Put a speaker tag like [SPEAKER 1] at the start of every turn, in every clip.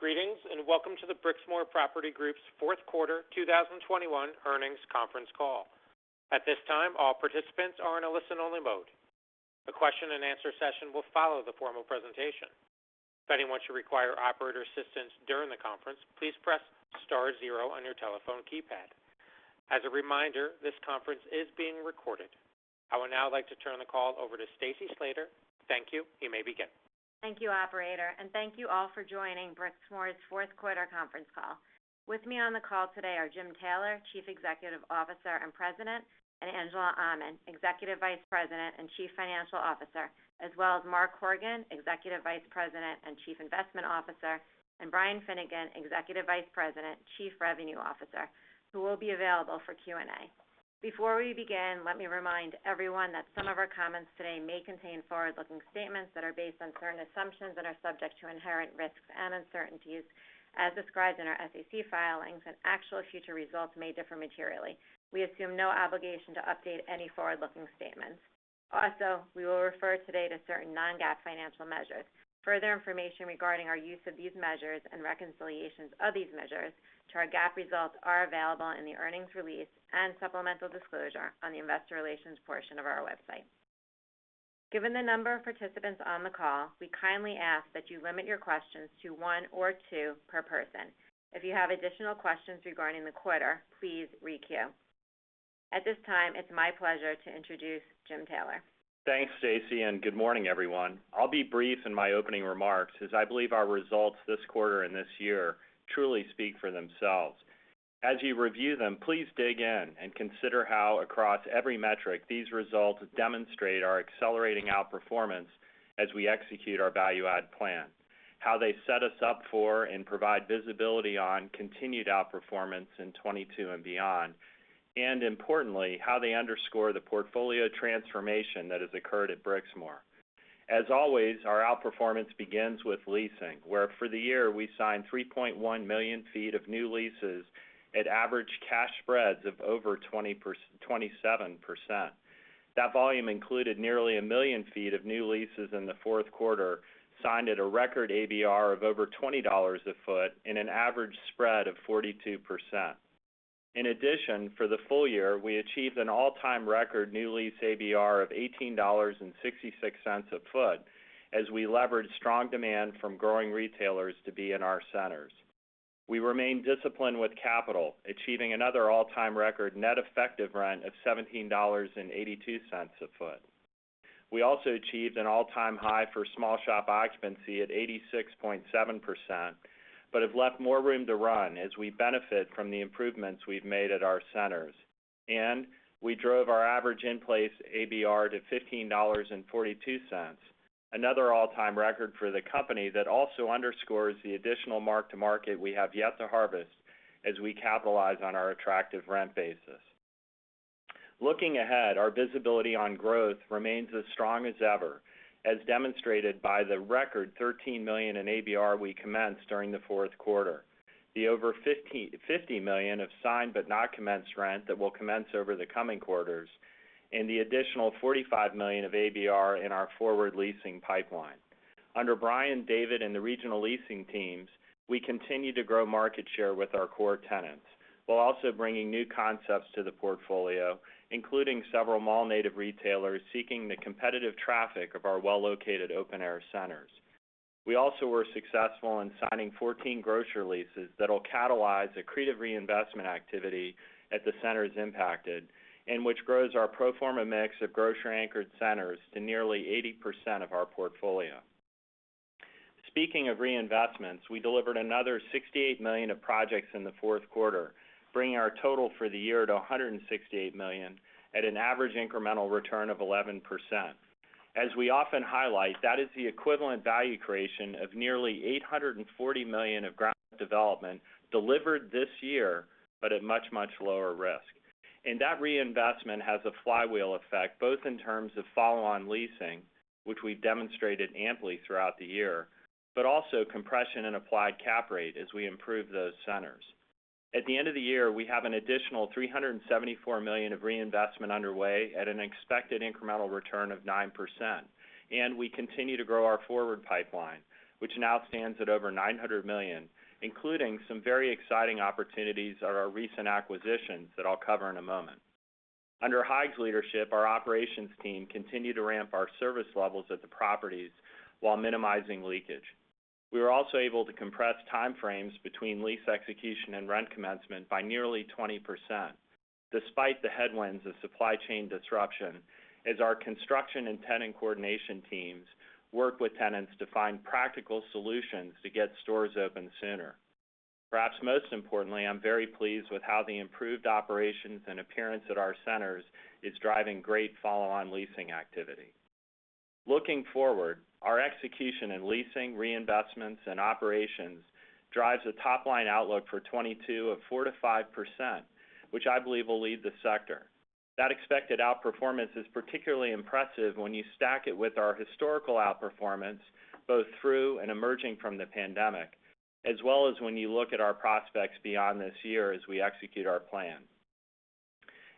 [SPEAKER 1] Greetings, and welcome to the Brixmor Property Group's Fourth Quarter 2021 Earnings Conference Call. At this time, all participants are in a listen-only mode. A question and answer session will follow the formal presentation. If anyone should require operator assistance during the conference, please press star zero on your telephone keypad. As a reminder, this conference is being recorded. I would now like to turn the call over to Stacy Slater. Thank you. You may begin.
[SPEAKER 2] Thank you, operator, and thank you all for joining Brixmor's Fourth Quarter Conference Call. With me on the call today are Jim Taylor, Chief Executive Officer and President, and Angela Aman, Executive Vice President and Chief Financial Officer, as well as Mark Horgan, Executive Vice President and Chief Investment Officer, and Brian Finnegan, Executive Vice President, Chief Revenue Officer, who will be available for Q&A. Before we begin, let me remind everyone that some of our comments today may contain forward-looking statements that are based on certain assumptions and are subject to inherent risks and uncertainties as described in our SEC filings, and actual future results may differ materially. We assume no obligation to update any forward-looking statements. Also, we will refer today to certain non-GAAP financial measures. Further information regarding our use of these measures and reconciliations of these measures to our GAAP results are available in the earnings release and supplemental disclosure on the investor relations portion of our website. Given the number of participants on the call, we kindly ask that you limit your questions to one or two per person. If you have additional questions regarding the quarter, please re-queue. At this time, it's my pleasure to introduce Jim Taylor.
[SPEAKER 3] Thanks, Stacy, and good morning, everyone. I'll be brief in my opening remarks as I believe our results this quarter and this year truly speak for themselves. As you review them, please dig in and consider how across every metric these results demonstrate our accelerating outperformance as we execute our value add plan, how they set us up for and provide visibility on continued outperformance in 2022 and beyond, and importantly, how they underscore the portfolio transformation that has occurred at Brixmor. As always, our outperformance begins with leasing, where for the year we signed 3.1 million sq ft of new leases at average cash spreads of over 27%. That volume included nearly 1 million sq ft of new leases in the fourth quarter, signed at a record ABR of over $20 a sq ft and an average spread of 42%. In addition, for the full year, we achieved an all-time record new lease ABR of $18.66 a foot as we leveraged strong demand from growing retailers to be in our centers. We remain disciplined with capital, achieving another all-time record net effective rent of $17.82 a foot. We also achieved an all-time high for small shop occupancy at 86.7%, but have left more room to run as we benefit from the improvements we've made at our centers. We drove our average in-place ABR to $15.42, another all-time record for the company that also underscores the additional mark-to-market we have yet to harvest as we capitalize on our attractive rent basis. Looking ahead, our visibility on growth remains as strong as ever, as demonstrated by the record $13 million in ABR we commenced during the fourth quarter, the over $50 million of signed but not commenced rent that will commence over the coming quarters, and the additional $45 million of ABR in our forward leasing pipeline. Under Brian, David, and the regional leasing teams, we continue to grow market share with our core tenants while also bringing new concepts to the portfolio, including several mall-native retailers seeking the competitive traffic of our well-located open-air centers. We also were successful in signing 14 grocery leases that'll catalyze accretive reinvestment activity at the centers impacted, and which grows our pro forma mix of grocery-anchored centers to nearly 80% of our portfolio. Speaking of reinvestments, we delivered another $68 million of projects in the fourth quarter, bringing our total for the year to $168 million at an average incremental return of 11%. As we often highlight, that is the equivalent value creation of nearly $840 million of ground-up development delivered this year, but at much, much lower risk. That reinvestment has a flywheel effect, both in terms of follow-on leasing, which we've demonstrated amply throughout the year, but also compression and applied cap rate as we improve those centers. At the end of the year, we have an additional $374 million of reinvestment underway at an expected incremental return of 9%. We continue to grow our forward pipeline, which now stands at over $900 million, including some very exciting opportunities at our recent acquisitions that I'll cover in a moment. Under Haig's leadership, our operations team continued to ramp our service levels at the properties while minimizing leakage. We were also able to compress time frames between lease execution and rent commencement by nearly 20% despite the headwinds of supply chain disruption as our construction and tenant coordination teams work with tenants to find practical solutions to get stores open sooner. Perhaps most importantly, I'm very pleased with how the improved operations and appearance at our centers is driving great follow-on leasing activity. Looking forward, our execution in leasing, reinvestments, and operations drives a top-line outlook for 2022 of 4%-5%, which I believe will lead the sector. That expected outperformance is particularly impressive when you stack it with our historical outperformance, both through and emerging from the pandemic, as well as when you look at our prospects beyond this year as we execute our plan.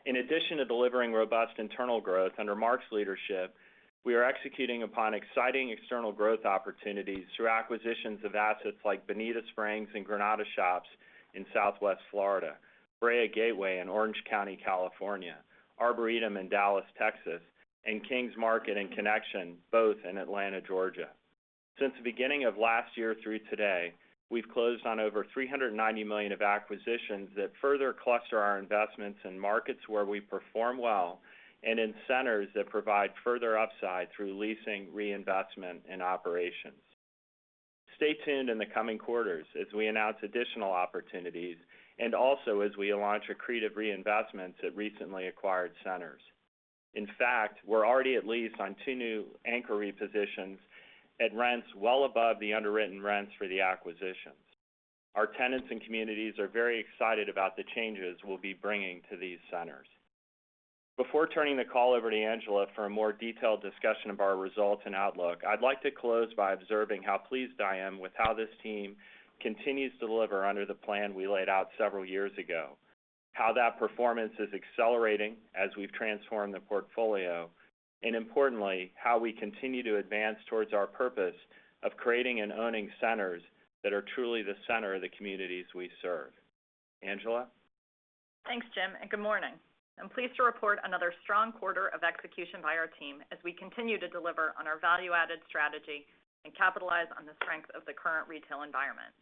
[SPEAKER 3] In addition to delivering robust internal growth under Mark's leadership, we are executing upon exciting external growth opportunities through acquisitions of assets like Bonita Springs and Granada Shoppes in Southwest Florida, Brea Gateway in Orange County, California, Arboretum in Dallas, Texas, and Kings Market and Connection, both in Atlanta, Georgia. Since the beginning of last year through today, we've closed on over $390 million of acquisitions that further cluster our investments in markets where we perform well and in centers that provide further upside through leasing, reinvestment, and operations. Stay tuned in the coming quarters as we announce additional opportunities and also as we launch accretive reinvestments at recently acquired centers. In fact, we're already at lease on two new anchor repositions at rents well above the underwritten rents for the acquisitions. Our tenants and communities are very excited about the changes we'll be bringing to these centers. Before turning the call over to Angela for a more detailed discussion of our results and outlook, I'd like to close by observing how pleased I am with how this team continues to deliver under the plan we laid out several years ago. How that performance is accelerating as we've transformed the portfolio, and importantly, how we continue to advance towards our purpose of creating and owning centers that are truly the center of the communities we serve. Angela.
[SPEAKER 4] Thanks, Jim, and good morning. I'm pleased to report another strong quarter of execution by our team as we continue to deliver on our value-added strategy and capitalize on the strength of the current retail environment.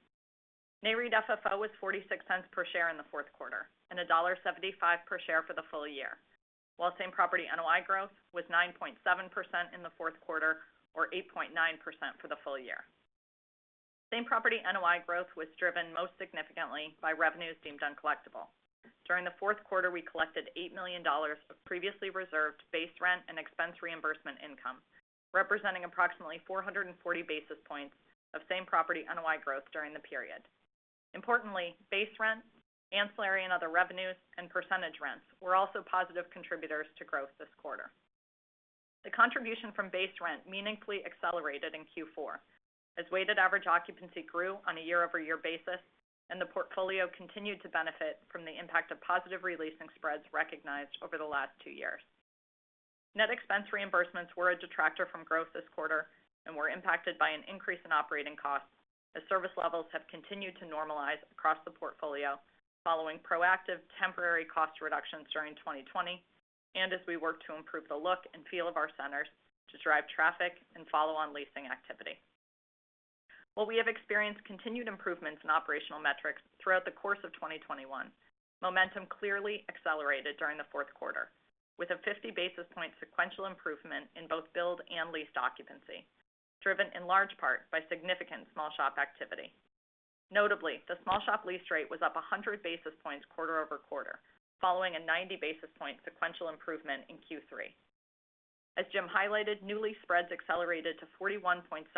[SPEAKER 4] Nareit FFO was $0.46 per share in the fourth quarter and $1.75 per share for the full year, while same property NOI growth was 9.7% in the fourth quarter or 8.9% for the full year. Same property NOI growth was driven most significantly by revenues deemed uncollectible. During the fourth quarter, we collected $8 million of previously reserved base rent and expense reimbursement income, representing approximately 440 basis points of same property NOI growth during the period. Importantly, base rents, ancillary and other revenues, and percentage rents were also positive contributors to growth this quarter. The contribution from base rent meaningfully accelerated in Q4 as weighted average occupancy grew on a year-over-year basis and the portfolio continued to benefit from the impact of positive re-leasing spreads recognized over the last 2 years. Net expense reimbursements were a detractor from growth this quarter and were impacted by an increase in operating costs as service levels have continued to normalize across the portfolio following proactive temporary cost reductions during 2020 and as we work to improve the look and feel of our centers to drive traffic and follow-on leasing activity. While we have experienced continued improvements in operational metrics throughout the course of 2021, momentum clearly accelerated during the fourth quarter with a 50 basis point sequential improvement in both build and lease occupancy, driven in large part by significant small shop activity. Notably, the small shop lease rate was up 100 basis points quarter-over-quarter, following a 90 basis point sequential improvement in Q3. As Jim highlighted, new lease spreads accelerated to 41.7%,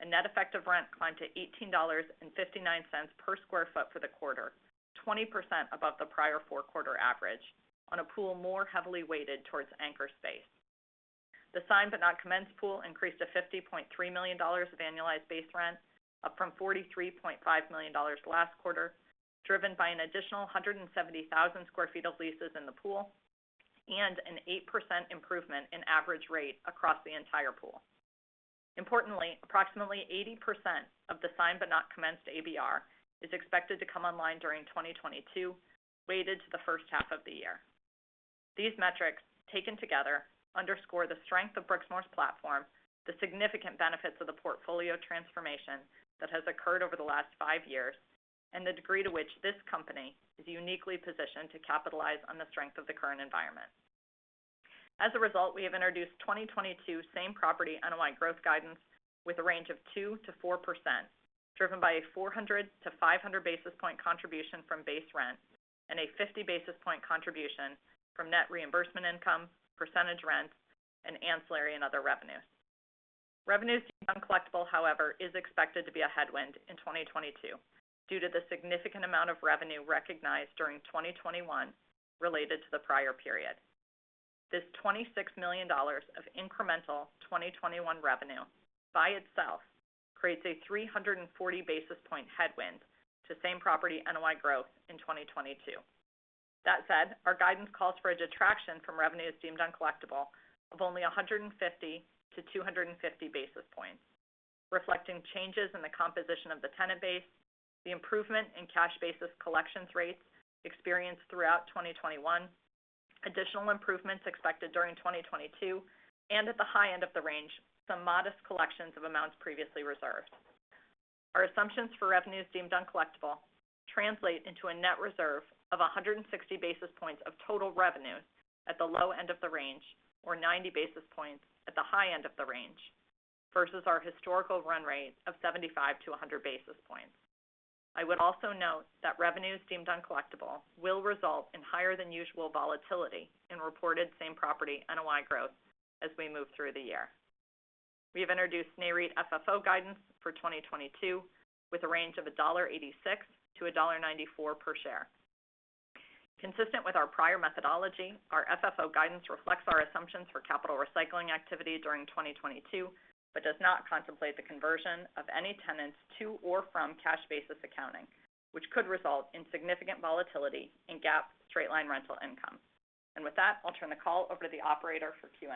[SPEAKER 4] and net effective rent climbed to $18.59/sq ft for the quarter, 20% above the prior 4-quarter average on a pool more heavily weighted towards anchor space. The signed but not commenced pool increased to $50.3 million of annualized base rent, up from $43.5 million last quarter, driven by an additional 170,000 sq ft of leases in the pool and an 8% improvement in average rate across the entire pool. Importantly, approximately 80% of the signed but not commenced ABR is expected to come online during 2022, weighted to the first half of the year. These metrics, taken together, underscore the strength of Brixmor's platform, the significant benefits of the portfolio transformation that has occurred over the last five years, and the degree to which this company is uniquely positioned to capitalize on the strength of the current environment. As a result, we have introduced 2022 same property NOI growth guidance with a range of 2%-4%, driven by a 400-500 basis point contribution from base rent and a 50 basis point contribution from net reimbursement income, percentage rents, and ancillary and other revenues. Revenues deemed uncollectible, however, is expected to be a headwind in 2022 due to the significant amount of revenue recognized during 2021 related to the prior period. This $26 million of incremental 2021 revenue by itself creates a 340 basis point headwind to same property NOI growth in 2022. That said, our guidance calls for a detraction from revenues deemed uncollectible of only 150-250 basis points, reflecting changes in the composition of the tenant base, the improvement in cash basis collections rates experienced throughout 2021, additional improvements expected during 2022, and at the high end of the range, some modest collections of amounts previously reserved. Our assumptions for revenues deemed uncollectible translate into a net reserve of 160 basis points of total revenue at the low end of the range or 90 basis points at the high end of the range versus our historical run rate of 75-100 basis points. I would also note that revenues deemed uncollectible will result in higher than usual volatility in reported same property NOI growth as we move through the year. We have introduced Nareit FFO guidance for 2022 with a range of $1.86-$1.94 per share. Consistent with our prior methodology, our FFO guidance reflects our assumptions for capital recycling activity during 2022, but does not contemplate the conversion of any tenants to or from cash basis accounting, which could result in significant volatility in GAAP straight-line rental income. With that, I'll turn the call over to the operator for Q&A.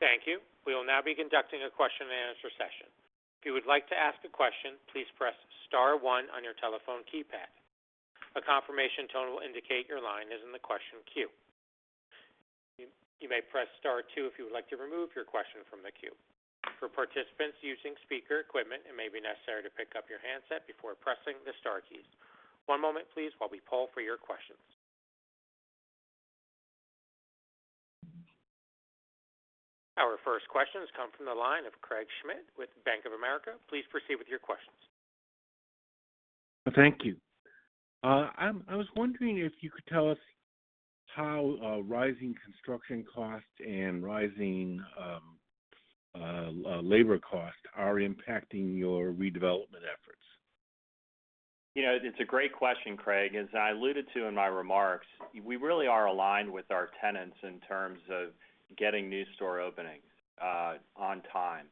[SPEAKER 1] Thank you. We will now be conducting a question-and-answer session. If you would like to ask a question, please press star one on your telephone keypad. A confirmation tone will indicate your line is in the question queue. You may press star two if you would like to remove your question from the queue. For participants using speaker equipment, it may be necessary to pick up your handset before pressing the star keys. One moment please, while we poll for your questions. Our first question has come from the line of Craig Smith with Bank of America. Please proceed with your questions.
[SPEAKER 5] Thank you. I was wondering if you could tell us how rising construction costs and rising labor costs are impacting your redevelopment efforts?
[SPEAKER 3] You know, it's a great question, Craig. As I alluded to in my remarks, we really are aligned with our tenants in terms of getting new store openings on time.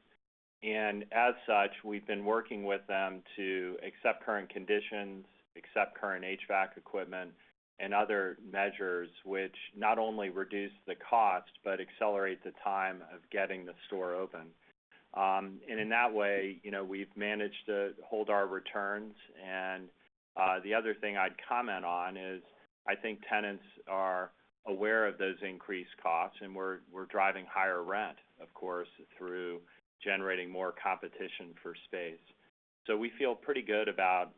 [SPEAKER 3] As such, we've been working with them to accept current conditions, accept current HVAC equipment and other measures which not only reduce the cost, but accelerate the time of getting the store open. In that way, you know, we've managed to hold our returns. The other thing I'd comment on is I think tenants are aware of those increased costs, and we're driving higher rent, of course, through generating more competition for space. We feel pretty good about,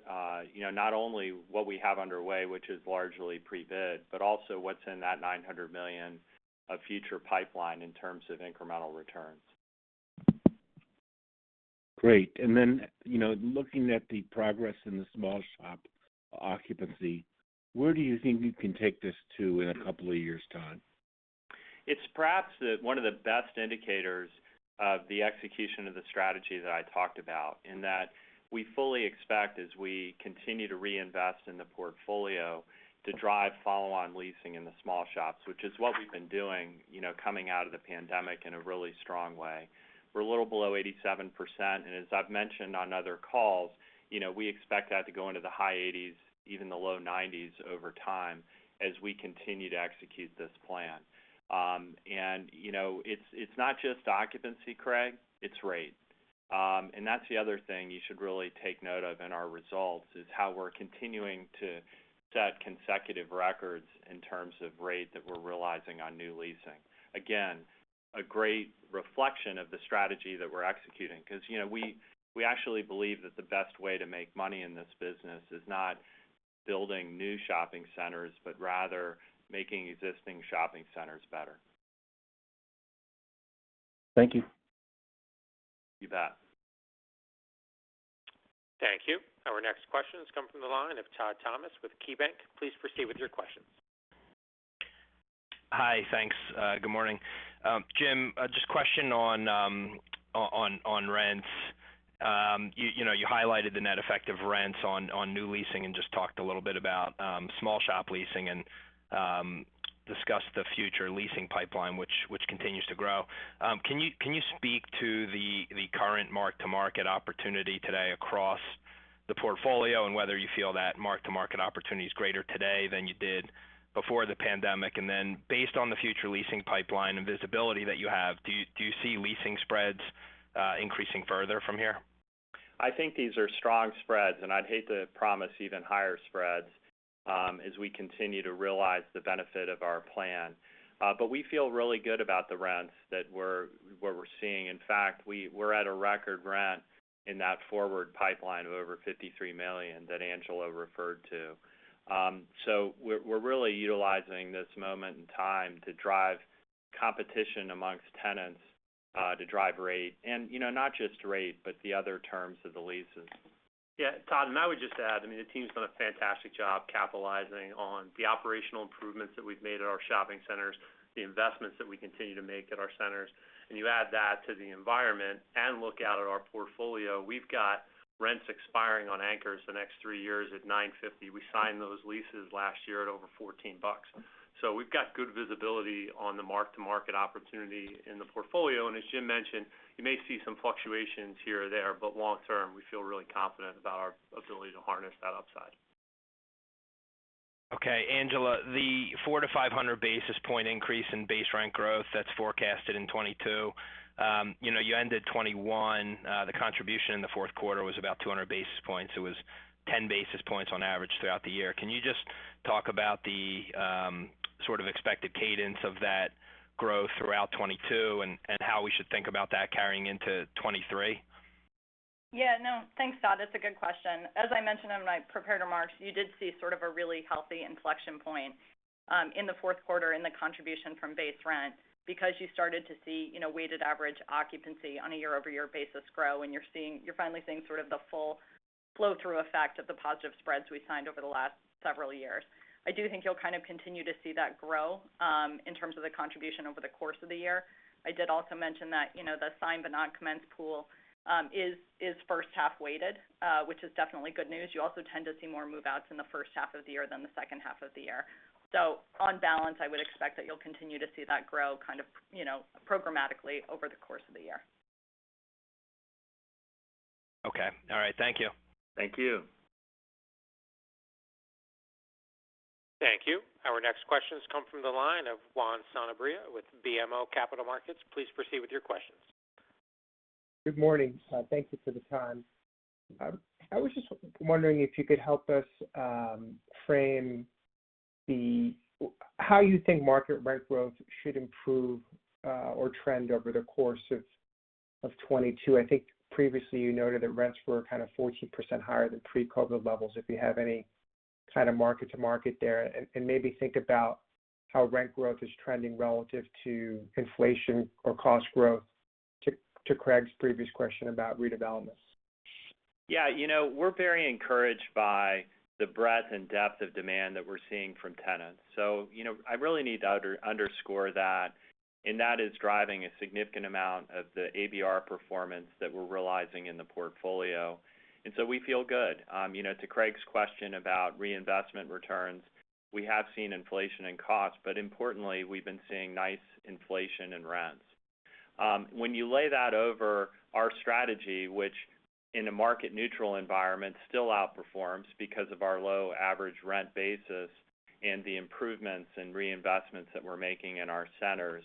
[SPEAKER 3] you know, not only what we have underway, which is largely pre-bid, but also what's in that $900 million of future pipeline in terms of incremental returns.
[SPEAKER 5] Great. You know, looking at the progress in the small shop occupancy, where do you think you can take this to in a couple of years' time?
[SPEAKER 4] It's perhaps one of the best indicators of the execution of the strategy that I talked about, in that we fully expect, as we continue to reinvest in the portfolio, to drive follow-on leasing in the small shops, which is what we've been doing, you know, coming out of the pandemic in a really strong way. We're a little below 87%, and as I've mentioned on other calls, you know, we expect that to go into the high 80s%, even the low 90s% over time as we continue to execute this plan. You know, it's not just occupancy, Craig, it's rate. That's the other thing you should really take note of in our results, is how we're continuing to set consecutive records in terms of rate that we're realizing on new leasing.
[SPEAKER 3] Again, a great reflection of the strategy that we're executing because, you know, we actually believe that the best way to make money in this business is not building new shopping centers, but rather making existing shopping centers better.
[SPEAKER 5] Thank you.
[SPEAKER 3] You bet.
[SPEAKER 1] Thank you. Our next question has come from the line of Todd Thomas with KeyBank. Please proceed with your questions.
[SPEAKER 6] Hi. Thanks. Good morning. Jim, just question on rents. You know, you highlighted the net effect of rents on new leasing and just talked a little bit about small shop leasing and discussed the future leasing pipeline which continues to grow. Can you speak to the current mark to market opportunity today across the portfolio and whether you feel that mark to market opportunity is greater today than you did before the pandemic? Then based on the future leasing pipeline and visibility that you have, do you see leasing spreads increasing further from here?
[SPEAKER 3] I think these are strong spreads, and I'd hate to promise even higher spreads as we continue to realize the benefit of our plan. But we feel really good about the rents, what we're seeing. In fact, we're at a record rent in that forward pipeline of over $53 million that Angela referred to. We're really utilizing this moment in time to drive competition among tenants to drive rate and, you know, not just rate, but the other terms of the leases.
[SPEAKER 7] Yeah, Todd, and I would just add, I mean, the team's done a fantastic job capitalizing on the operational improvements that we've made at our shopping centers, the investments that we continue to make at our centers. You add that to the environment and look out at our portfolio, we've got rents expiring on anchors the next three years at $9.50. We signed those leases last year at over $14. We've got good visibility on the mark to market opportunity in the portfolio. As Jim mentioned, you may see some fluctuations here or there, but long term, we feel really confident about our ability to harness that upside.
[SPEAKER 6] Okay. Angela, the 400-500 basis point increase in base rent growth that's forecasted in 2022, you ended 2021, the contribution in the fourth quarter was about 200 basis points. It was 10 basis points on average throughout the year. Can you just talk about the sort of expected cadence of that growth throughout 2022 and how we should think about that carrying into 2023?
[SPEAKER 4] Yeah. No. Thanks, Todd. That's a good question. As I mentioned in my prepared remarks, you did see sort of a really healthy inflection point in the fourth quarter in the contribution from base rent because you started to see, you know, weighted average occupancy on a year-over-year basis grow. You're finally seeing sort of the full flow-through effect of the positive spreads we signed over the last several years. I do think you'll kind of continue to see that grow in terms of the contribution over the course of the year. I did also mention that, you know, the signed but not commenced pool is first half weighted, which is definitely good news. You also tend to see more move-outs in the first half of the year than the second half of the year. On balance, I would expect that you'll continue to see that grow kind of, you know, programmatically over the course of the year.
[SPEAKER 6] Okay. All right. Thank you.
[SPEAKER 3] Thank you.
[SPEAKER 1] Thank you. Our next question has come from the line of Juan Sanabria with BMO Capital Markets. Please proceed with your questions.
[SPEAKER 8] Good morning. Thank you for the time. I was just wondering if you could help us frame how you think market rent growth should improve or trend over the course of 2022. I think previously you noted that rents were kind of 14% higher than pre-COVID levels. If you have any kind of mark-to-market there, and maybe think about how rent growth is trending relative to inflation or cost growth to Craig's previous question about redevelopments.
[SPEAKER 3] Yeah. You know, we're very encouraged by the breadth and depth of demand that we're seeing from tenants. You know, I really need to underscore that, and that is driving a significant amount of the ABR performance that we're realizing in the portfolio. We feel good. You know, to Craig's question about reinvestment returns, we have seen inflation in costs, but importantly, we've been seeing nice inflation in rents. When you lay that over our strategy, which in a market neutral environment still outperforms because of our low average rent basis and the improvements and reinvestments that we're making in our centers,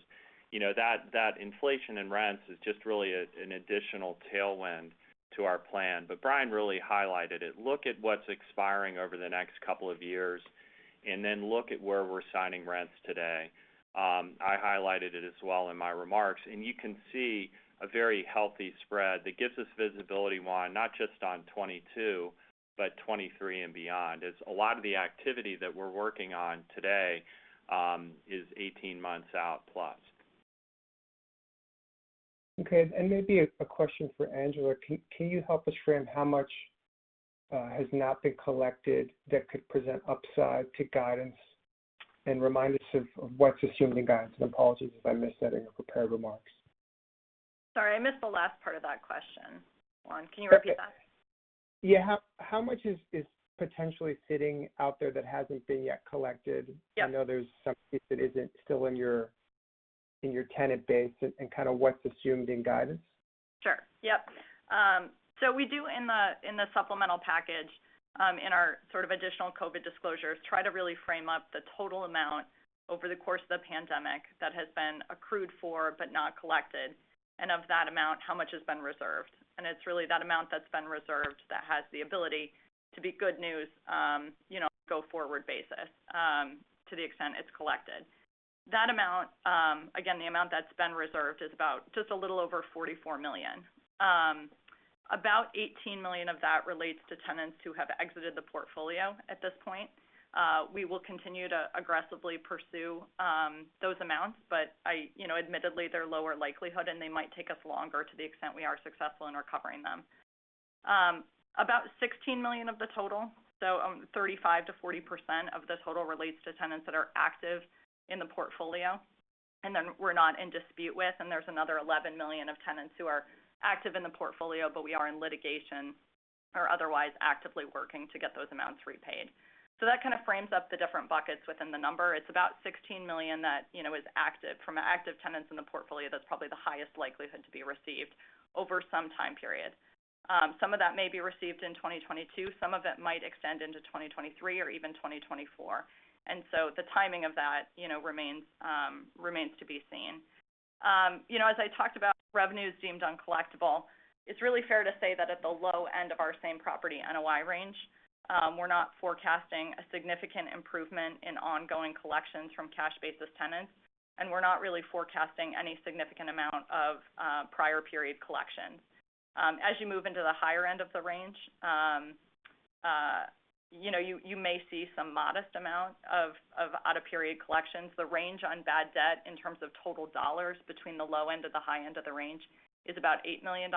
[SPEAKER 3] you know, that inflation in rents is just really an additional tailwind to our plan. Brian really highlighted it. Look at what's expiring over the next couple of years, and then look at where we're signing rents today. I highlighted it as well in my remarks. You can see a very healthy spread that gives us visibility, Juan, not just on 2022, but 2023 and beyond, as a lot of the activity that we're working on today is 18 months out plus.
[SPEAKER 8] Okay. Maybe a question for Angela. Can you help us frame how much has not been collected that could present upside to guidance and remind us of what's assumed in guidance? Apologies if I missed that in your prepared remarks.
[SPEAKER 4] Sorry, I missed the last part of that question, Juan. Can you repeat that?
[SPEAKER 8] Yeah. How much is potentially sitting out there that hasn't been yet collected?
[SPEAKER 4] Yeah.
[SPEAKER 8] I know there's some piece that isn't still in your tenant base and kind of what's assumed in guidance.
[SPEAKER 4] Sure. Yep. So we do in the supplemental package, in our sort of additional COVID disclosures, try to really frame up the total amount over the course of the pandemic that has been accrued for, but not collected, and of that amount, how much has been reserved. It's really that amount that's been reserved that has the ability to be good news, you know, go forward basis, to the extent it's collected. That amount, again, the amount that's been reserved is about just a little over $44 million. About $18 million of that relates to tenants who have exited the portfolio at this point. We will continue to aggressively pursue those amounts, but, you know, admittedly, they're lower likelihood, and they might take us longer to the extent we are successful in recovering them. About $16 million of the total, so 35%-40% of the total relates to tenants that are active in the portfolio and that we're not in dispute with, and there's another $11 million of tenants who are active in the portfolio, but we are in litigation or otherwise actively working to get those amounts repaid. That kind of frames up the different buckets within the number. It's about $16 million that, you know, is active from active tenants in the portfolio, that's probably the highest likelihood to be received over some time period. Some of that may be received in 2022, some of it might extend into 2023 or even 2024. The timing of that, you know, remains to be seen. You know, as I talked about revenues deemed uncollectible, it's really fair to say that at the low end of our same property NOI range, we're not forecasting a significant improvement in ongoing collections from cash-based tenants, and we're not really forecasting any significant amount of prior period collections. As you move into the higher end of the range, you know, you may see some modest amount of out-of-period collections. The range on bad debt in terms of total dollars between the low end and the high end of the range is about $8 million,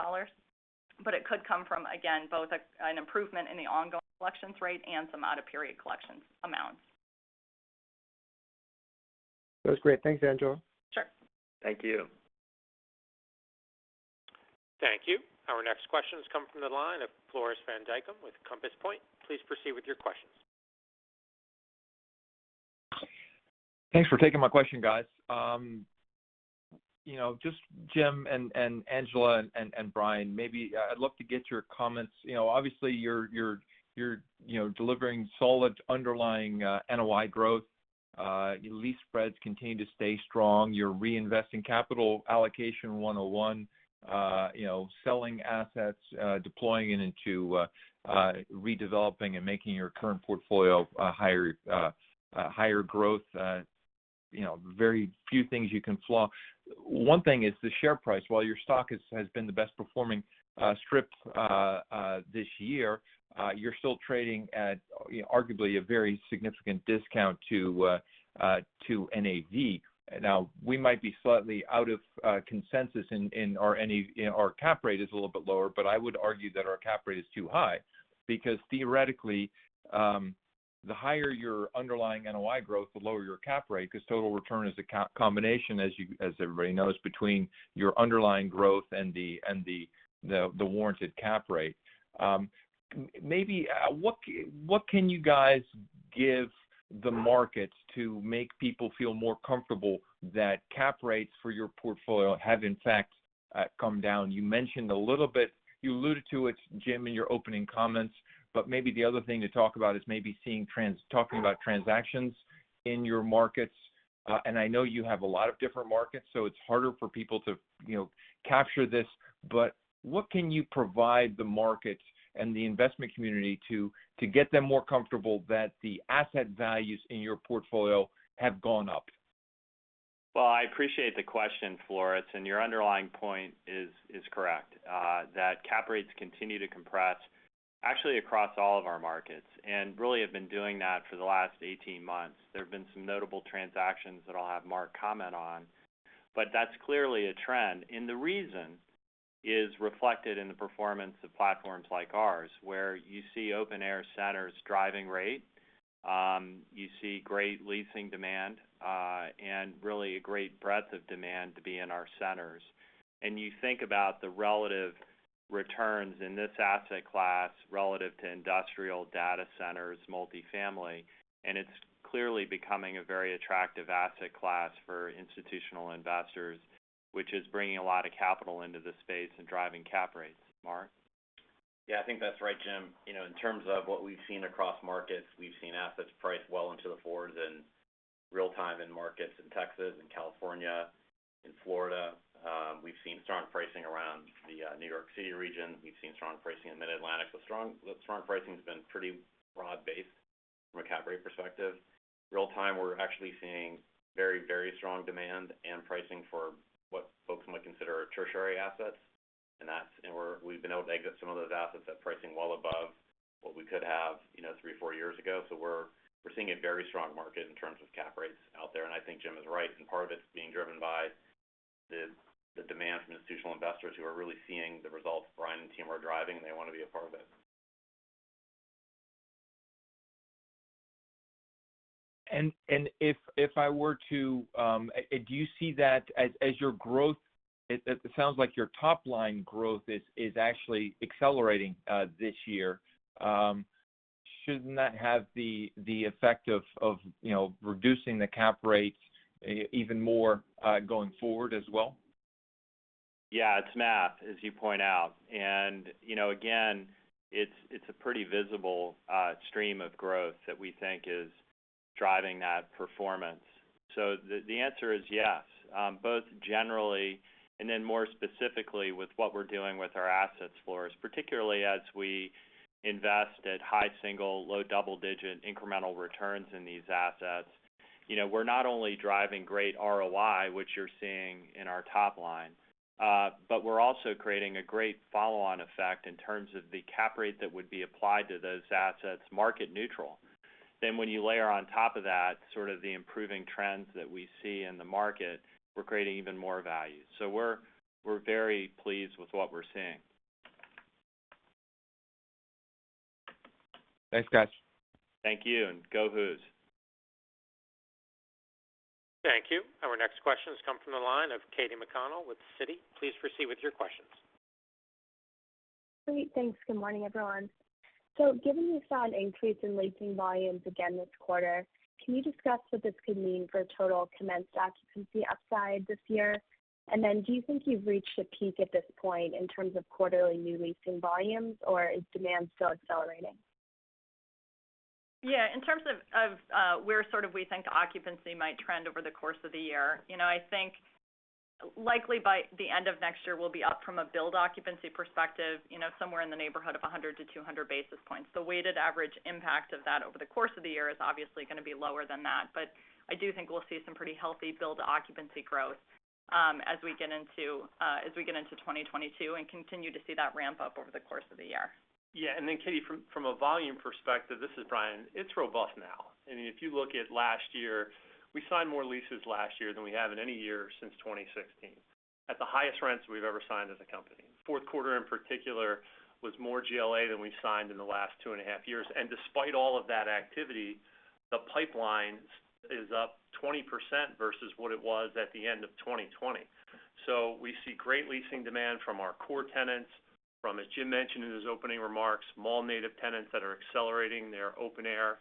[SPEAKER 4] but it could come from, again, both an improvement in the ongoing collections rate and some out-of-period collections amounts.
[SPEAKER 8] That was great. Thanks, Angela.
[SPEAKER 4] Sure.
[SPEAKER 3] Thank you.
[SPEAKER 1] Thank you. Our next question has come from the line of Floris van Dijkum with Compass Point. Please proceed with your questions.
[SPEAKER 9] Thanks for taking my question, guys. You know, just Jim and Angela and Brian, maybe I'd love to get your comments. You know, obviously you're delivering solid underlying NOI growth. Your lease spreads continue to stay strong. You're reinvesting capital allocation 101, you know, selling assets, deploying it into redeveloping and making your current portfolio a higher growth, you know, very few things you can fault. One thing is the share price. While your stock has been the best performing strip this year, you're still trading at, you know, arguably a very significant discount to NAV. Now, we might be slightly out of consensus our cap rate is a little bit lower, but I would argue that our cap rate is too high. Because theoretically, the higher your underlying NOI growth, the lower your cap rate, 'cause total return is a combination, as everybody knows, between your underlying growth and the warranted cap rate. Maybe what can you guys give the markets to make people feel more comfortable that cap rates for your portfolio have in fact come down? You alluded to it, Jim, in your opening comments, but maybe the other thing to talk about is talking about transactions in your markets. I know you have a lot of different markets, so it's harder for people to, you know, capture this. What can you provide the markets and the investment community to get them more comfortable that the asset values in your portfolio have gone up?
[SPEAKER 3] Well, I appreciate the question, Floris, and your underlying point is correct that cap rates continue to compress actually across all of our markets, and really have been doing that for the last 18 months. There have been some notable transactions that I'll have Mark Horgan comment on, but that's clearly a trend. The reason is reflected in the performance of platforms like ours, where you see open-air centers driving rate, you see great leasing demand, and really a great breadth of demand to be in our centers. You think about the relative returns in this asset class relative to industrial data centers, multifamily, and it's clearly becoming a very attractive asset class for institutional investors, which is bringing a lot of capital into this space and driving cap rates. Mark Horgan?
[SPEAKER 10] Yeah. I think that's right, Jim. You know, in terms of what we've seen across markets, we've seen assets priced well into the 4s in real time in markets in Texas and California, in Florida. We've seen strong pricing around the New York City region. We've seen strong pricing in Mid-Atlantic. The strong pricing has been pretty broad-based from a cap rate perspective. Real time, we're actually seeing very, very strong demand and pricing for what folks might consider tertiary assets. And we've been able to exit some of those assets at pricing well above what we could have, you know, 3, 4 years ago. We're seeing a very strong market in terms of cap rates out there, and I think Jim is right. Part of it's being driven by the demand from institutional investors who are really seeing the results Brian and team are driving, and they wanna be a part of it.
[SPEAKER 9] Do you see that as your growth? It sounds like your top-line growth is actually accelerating this year. Shouldn't that have the effect of, you know, reducing the cap rates even more going forward as well?
[SPEAKER 3] Yeah. It's math, as you point out. You know, again, it's a pretty visible stream of growth that we think is driving that performance. The answer is yes, both generally and then more specifically with what we're doing with our assets, Floris. Particularly as we invest at high single-digit, low double-digit incremental returns in these assets. You know, we're not only driving great ROI, which you're seeing in our top line, but we're also creating a great follow-on effect in terms of the cap rate that would be applied to those assets, market neutral. When you layer on top of that, sort of the improving trends that we see in the market, we're creating even more value. We're very pleased with what we're seeing.
[SPEAKER 9] Thanks, guys.
[SPEAKER 3] Thank you. Go Hoos.
[SPEAKER 1] Thank you. Our next question has come from the line of Katy McConnell with Citi. Please proceed with your questions.
[SPEAKER 11] Great. Thanks. Good morning, everyone. Given you saw an increase in leasing volumes again this quarter, can you discuss what this could mean for total commenced occupancy upside this year? Do you think you've reached a peak at this point in terms of quarterly new leasing volumes, or is demand still accelerating?
[SPEAKER 4] Yeah. In terms of where sort of we think occupancy might trend over the course of the year, you know, I think likely by the end of next year, we'll be up from a build occupancy perspective, you know, somewhere in the neighborhood of 100-200 basis points. The weighted average impact of that over the course of the year is obviously gonna be lower than that. I do think we'll see some pretty healthy build occupancy growth, as we get into 2022 and continue to see that ramp up over the course of the year.
[SPEAKER 7] Yeah. Katy, from a volume perspective, this is Brian. It's robust now. I mean, if you look at last year, we signed more leases last year than we have in any year since 2016, at the highest rents we've ever signed as a company. Fourth quarter in particular was more GLA than we've signed in the last two and a half years. Despite all of that activity, the pipeline is up 20% versus what it was at the end of 2020. We see great leasing demand from our core tenants, as Jim mentioned in his opening remarks, mall-native tenants that are accelerating their open-air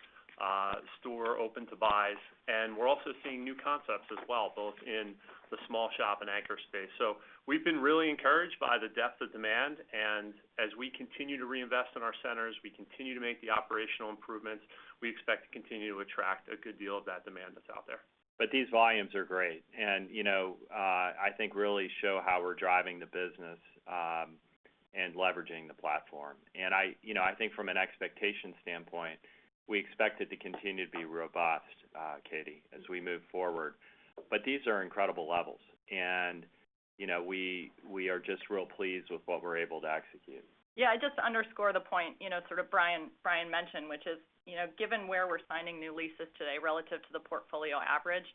[SPEAKER 7] store open-to-buys. We're also seeing new concepts as well, both in the small shop and anchor space. We've been really encouraged by the depth of demand. As we continue to reinvest in our centers, we continue to make the operational improvements, we expect to continue to attract a good deal of that demand that's out there.
[SPEAKER 3] These volumes are great and, you know, I think really show how we're driving the business, and leveraging the platform. You know, I think from an expectation standpoint, we expect it to continue to be robust, Katy, as we move forward. These are incredible levels and, you know, we are just real pleased with what we're able to execute.
[SPEAKER 4] Yeah. Just to underscore the point, you know, sort of Brian mentioned, which is, you know, given where we're signing new leases today relative to the portfolio average,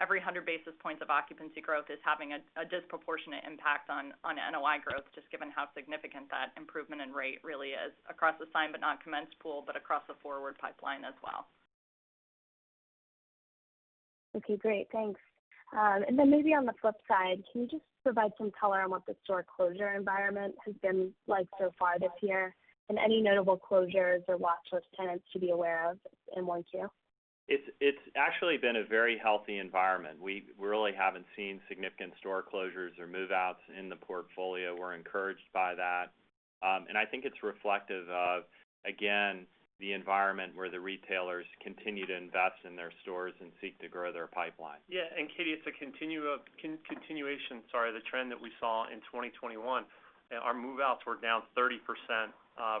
[SPEAKER 4] every 100 basis points of occupancy growth is having a disproportionate impact on NOI growth, just given how significant that improvement in rate really is across the signed but not commenced pool, but across the forward pipeline as well.
[SPEAKER 11] Okay, great. Thanks. Maybe on the flip side, can you just provide some color on what the store closure environment has been like so far this year, and any notable closures or watchlist tenants to be aware of in Q2?
[SPEAKER 3] It's actually been a very healthy environment. We really haven't seen significant store closures or move-outs in the portfolio. We're encouraged by that. I think it's reflective of, again, the environment where the retailers continue to invest in their stores and seek to grow their pipeline.
[SPEAKER 7] Yeah, Katie, it's a continuation, sorry, the trend that we saw in 2021. Our move-outs were down 30%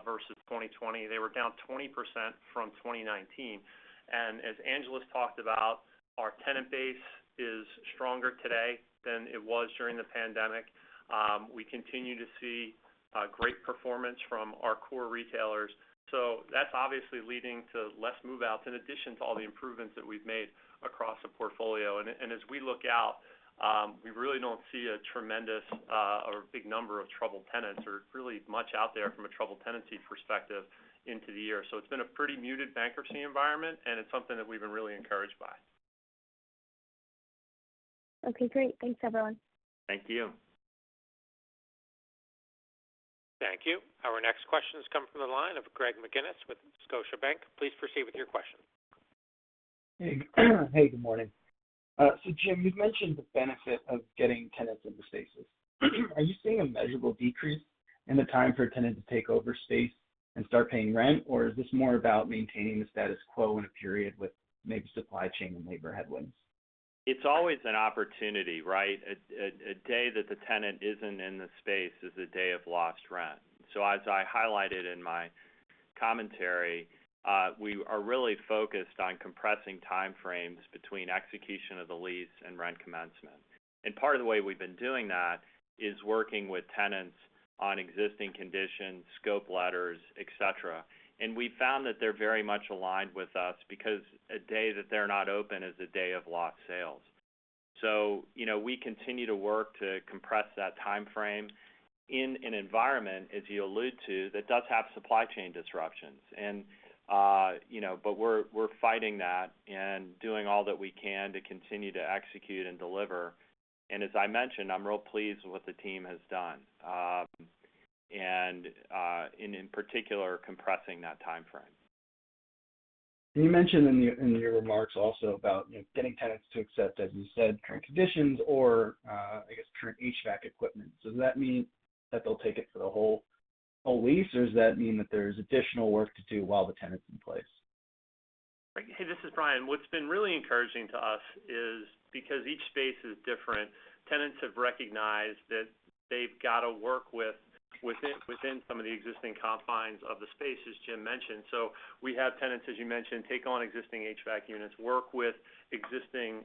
[SPEAKER 7] versus 2020. They were down 20% from 2019. As Angela's talked about, our tenant base is stronger today than it was during the pandemic. We continue to see great performance from our core retailers. That's obviously leading to less move-outs in addition to all the improvements that we've made across the portfolio. As we look out, we really don't see a tremendous or big number of troubled tenants or really much out there from a troubled tenancy perspective into the year. It's been a pretty muted bankruptcy environment, and it's something that we've been really encouraged by.
[SPEAKER 11] Okay, great. Thanks, everyone.
[SPEAKER 3] Thank you.
[SPEAKER 1] Thank you. Our next question has come from the line of Greg McGinniss with Scotiabank. Please proceed with your question.
[SPEAKER 12] Hey, good morning. Jim, you've mentioned the benefit of getting tenants into spaces. Are you seeing a measurable decrease in the time for a tenant to take over space and start paying rent? Is this more about maintaining the status quo in a period with maybe supply chain and labor headwinds?
[SPEAKER 3] It's always an opportunity, right? A day that the tenant isn't in the space is a day of lost rent. As I highlighted in my commentary, we are really focused on compressing time frames between execution of the lease and rent commencement. Part of the way we've been doing that is working with tenants on existing conditions, scope letters, et cetera. We found that they're very much aligned with us because a day that they're not open is a day of lost sales. You know, we continue to work to compress that time frame in an environment, as you allude to, that does have supply chain disruptions. You know, but we're fighting that and doing all that we can to continue to execute and deliver. As I mentioned, I'm real pleased with what the team has done, and in particular, compressing that time frame.
[SPEAKER 12] You mentioned in your remarks also about, you know, getting tenants to accept, as you said, current conditions or, I guess, current HVAC equipment. Does that mean that they'll take it for the whole lease, or does that mean that there's additional work to do while the tenant's in place?
[SPEAKER 7] Hey, this is Brian. What's been really encouraging to us is because each space is different, tenants have recognized that they've got to work within some of the existing confines of the space, as Jim mentioned. We have tenants, as you mentioned, take on existing HVAC units, work with existing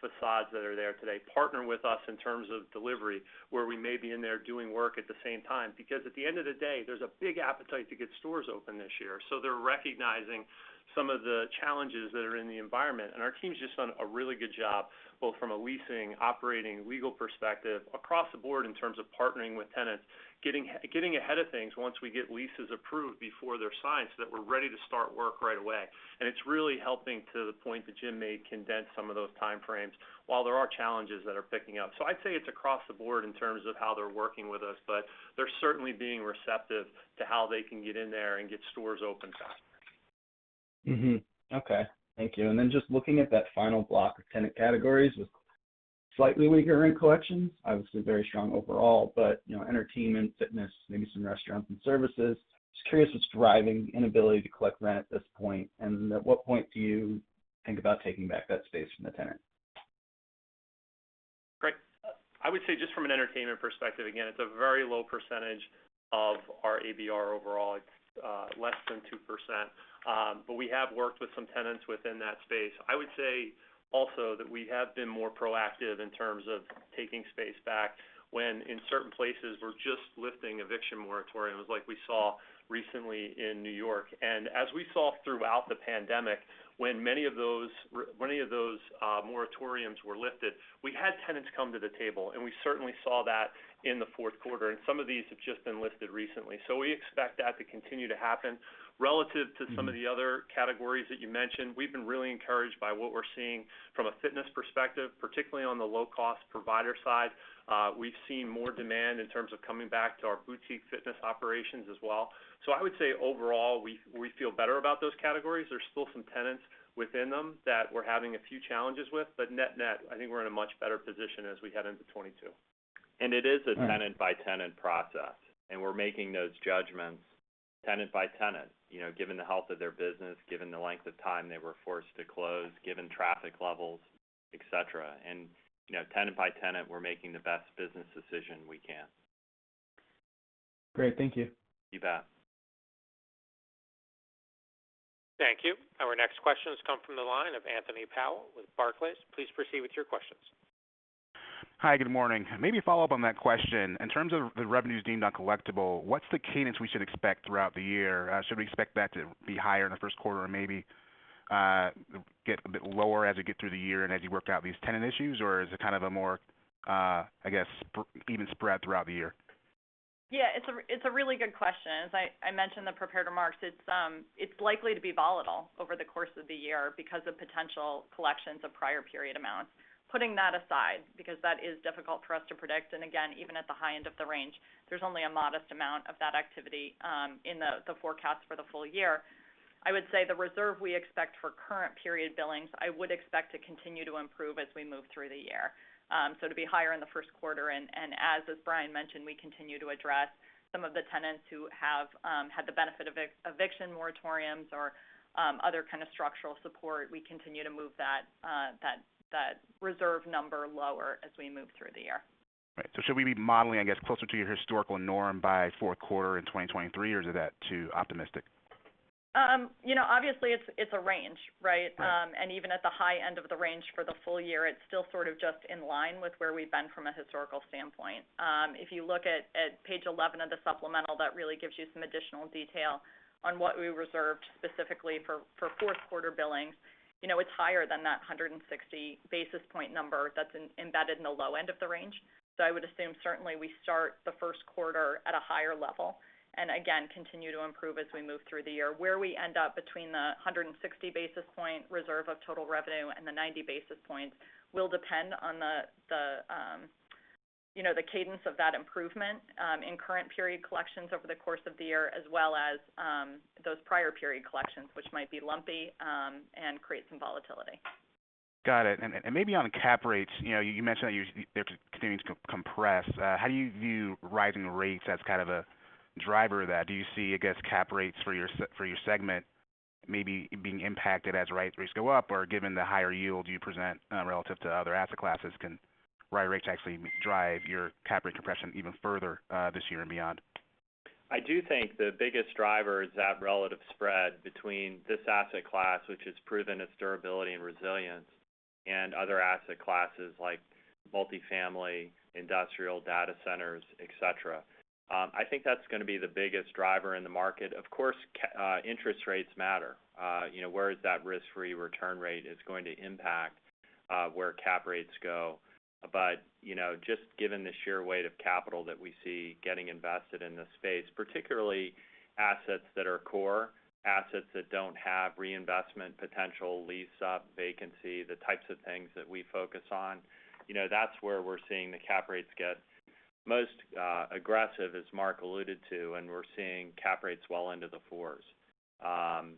[SPEAKER 7] facades that are there today, partner with us in terms of delivery, where we may be in there doing work at the same time, because at the end of the day, there's a big appetite to get stores open this year. They're recognizing some of the challenges that are in the environment. Our team's just done a really good job, both from a leasing, operating, legal perspective across the board in terms of partnering with tenants, getting ahead of things once we get leases approved before they're signed, so that we're ready to start work right away. It's really helping to the point that Jim made, condense some of those time frames while there are challenges that are picking up. I'd say it's across the board in terms of how they're working with us, but they're certainly being receptive to how they can get in there and get stores open faster.
[SPEAKER 12] Thank you. Just looking at that final block of tenant categories with slightly weaker rent collections, obviously very strong overall, but you know, entertainment, fitness, maybe some restaurants and services. Just curious what's driving inability to collect rent at this point, and at what point do you think about taking back that space from the tenant?
[SPEAKER 7] Great. I would say just from an entertainment perspective, again, it's a very low percentage of our ABR overall. It's less than 2%. But we have worked with some tenants within that space. I would say also that we have been more proactive in terms of taking space back when in certain places we're just lifting eviction moratoriums like we saw recently in New York. As we saw throughout the pandemic, when many of those moratoriums were lifted, we had tenants come to the table, and we certainly saw that in the fourth quarter. Some of these have just been lifted recently. We expect that to continue to happen. Relative to some of the other categories that you mentioned, we've been really encouraged by what we're seeing from a fitness perspective, particularly on the low-cost provider side. We've seen more demand in terms of coming back to our boutique fitness operations as well. I would say overall, we feel better about those categories. There's still some tenants within them that we're having a few challenges with. Net-net, I think we're in a much better position as we head into 2022.
[SPEAKER 3] It is a tenant-by-tenant process, and we're making those judgments tenant by tenant, you know, given the health of their business, given the length of time they were forced to close, given traffic levels, et cetera. You know, tenant by tenant, we're making the best business decision we can.
[SPEAKER 12] Great. Thank you.
[SPEAKER 3] You bet.
[SPEAKER 1] Thank you. Our next question has come from the line of Anthony Powell with Barclays. Please proceed with your questions.
[SPEAKER 13] Hi, good morning. Maybe a follow-up on that question. In terms of the revenues deemed uncollectible, what's the cadence we should expect throughout the year? Should we expect that to be higher in the first quarter and maybe get a bit lower as we get through the year and as you work out these tenant issues? Or is it kind of a more, I guess, even spread throughout the year?
[SPEAKER 4] Yeah, it's a really good question. As I mentioned in the prepared remarks, it's likely to be volatile over the course of the year because of potential collections of prior period amounts. Putting that aside, because that is difficult for us to predict, and again, even at the high end of the range, there's only a modest amount of that activity in the forecast for the full year. I would say the reserve we expect for current period billings I would expect to continue to improve as we move through the year. So it'd be higher in the first quarter, and as Brian mentioned, we continue to address some of the tenants who have had the benefit of eviction moratoriums or other kind of structural support. We continue to move that reserve number lower as we move through the year.
[SPEAKER 13] Right. Should we be modeling, I guess, closer to your historical norm by fourth quarter in 2023, or is that too optimistic?
[SPEAKER 4] You know, obviously it's a range, right?
[SPEAKER 13] Right.
[SPEAKER 4] Even at the high end of the range for the full year, it's still sort of just in line with where we've been from a historical standpoint. If you look at page 11 of the supplemental, that really gives you some additional detail on what we reserved specifically for fourth quarter billings. You know, it's higher than that 160 basis point number that's embedded in the low end of the range. I would assume certainly we start the first quarter at a higher level, and again, continue to improve as we move through the year. Where we end up between the 160 basis point reserve of total revenue and the 90 basis points will depend on the, you know, the cadence of that improvement in current period collections over the course of the year, as well as those prior period collections, which might be lumpy and create some volatility.
[SPEAKER 13] Got it. Maybe on cap rates, you know, you mentioned that they're continuing to compress. How do you view rising rates as kind of a driver of that? Do you see, I guess, cap rates for your segment maybe being impacted as rates go up? Or given the higher yield you present, relative to other asset classes, can higher rates actually drive your cap rate compression even further, this year and beyond?
[SPEAKER 3] I do think the biggest driver is that relative spread between this asset class, which has proven its durability and resilience, and other asset classes like multifamily, industrial data centers, et cetera. I think that's gonna be the biggest driver in the market. Of course, interest rates matter. You know, where is that risk-free return rate is going to impact where cap rates go. You know, just given the sheer weight of capital that we see getting invested in this space, particularly assets that are core, assets that don't have reinvestment potential, lease up, vacancy, the types of things that we focus on, you know, that's where we're seeing the cap rates get most aggressive, as Mark alluded to, and we're seeing cap rates well into the fours. That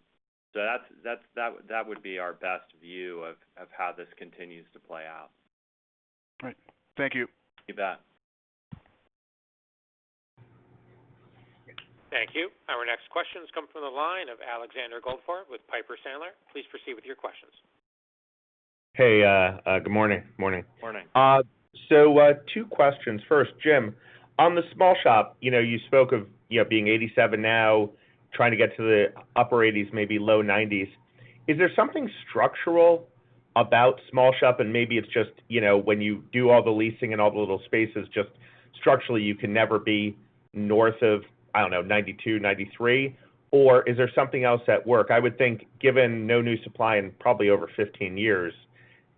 [SPEAKER 3] would be our best view of how this continues to play out.
[SPEAKER 13] All right. Thank you.
[SPEAKER 3] You bet.
[SPEAKER 1] Thank you. Our next question comes from the line of Alexander Goldfarb with Piper Sandler. Please proceed with your questions.
[SPEAKER 14] Hey, good morning. Morning.
[SPEAKER 3] Morning.
[SPEAKER 14] Two questions. First, Jim, on the small shop, you know, you spoke of, you know, being 87% now, trying to get to the upper 80s%, maybe low 90s%. Is there something structural about small shop, and maybe it's just, you know, when you do all the leasing in all the little spaces, just structurally you can never be north of, I don't know, 92%-93%? Or is there something else at work? I would think given no new supply in probably over 15 years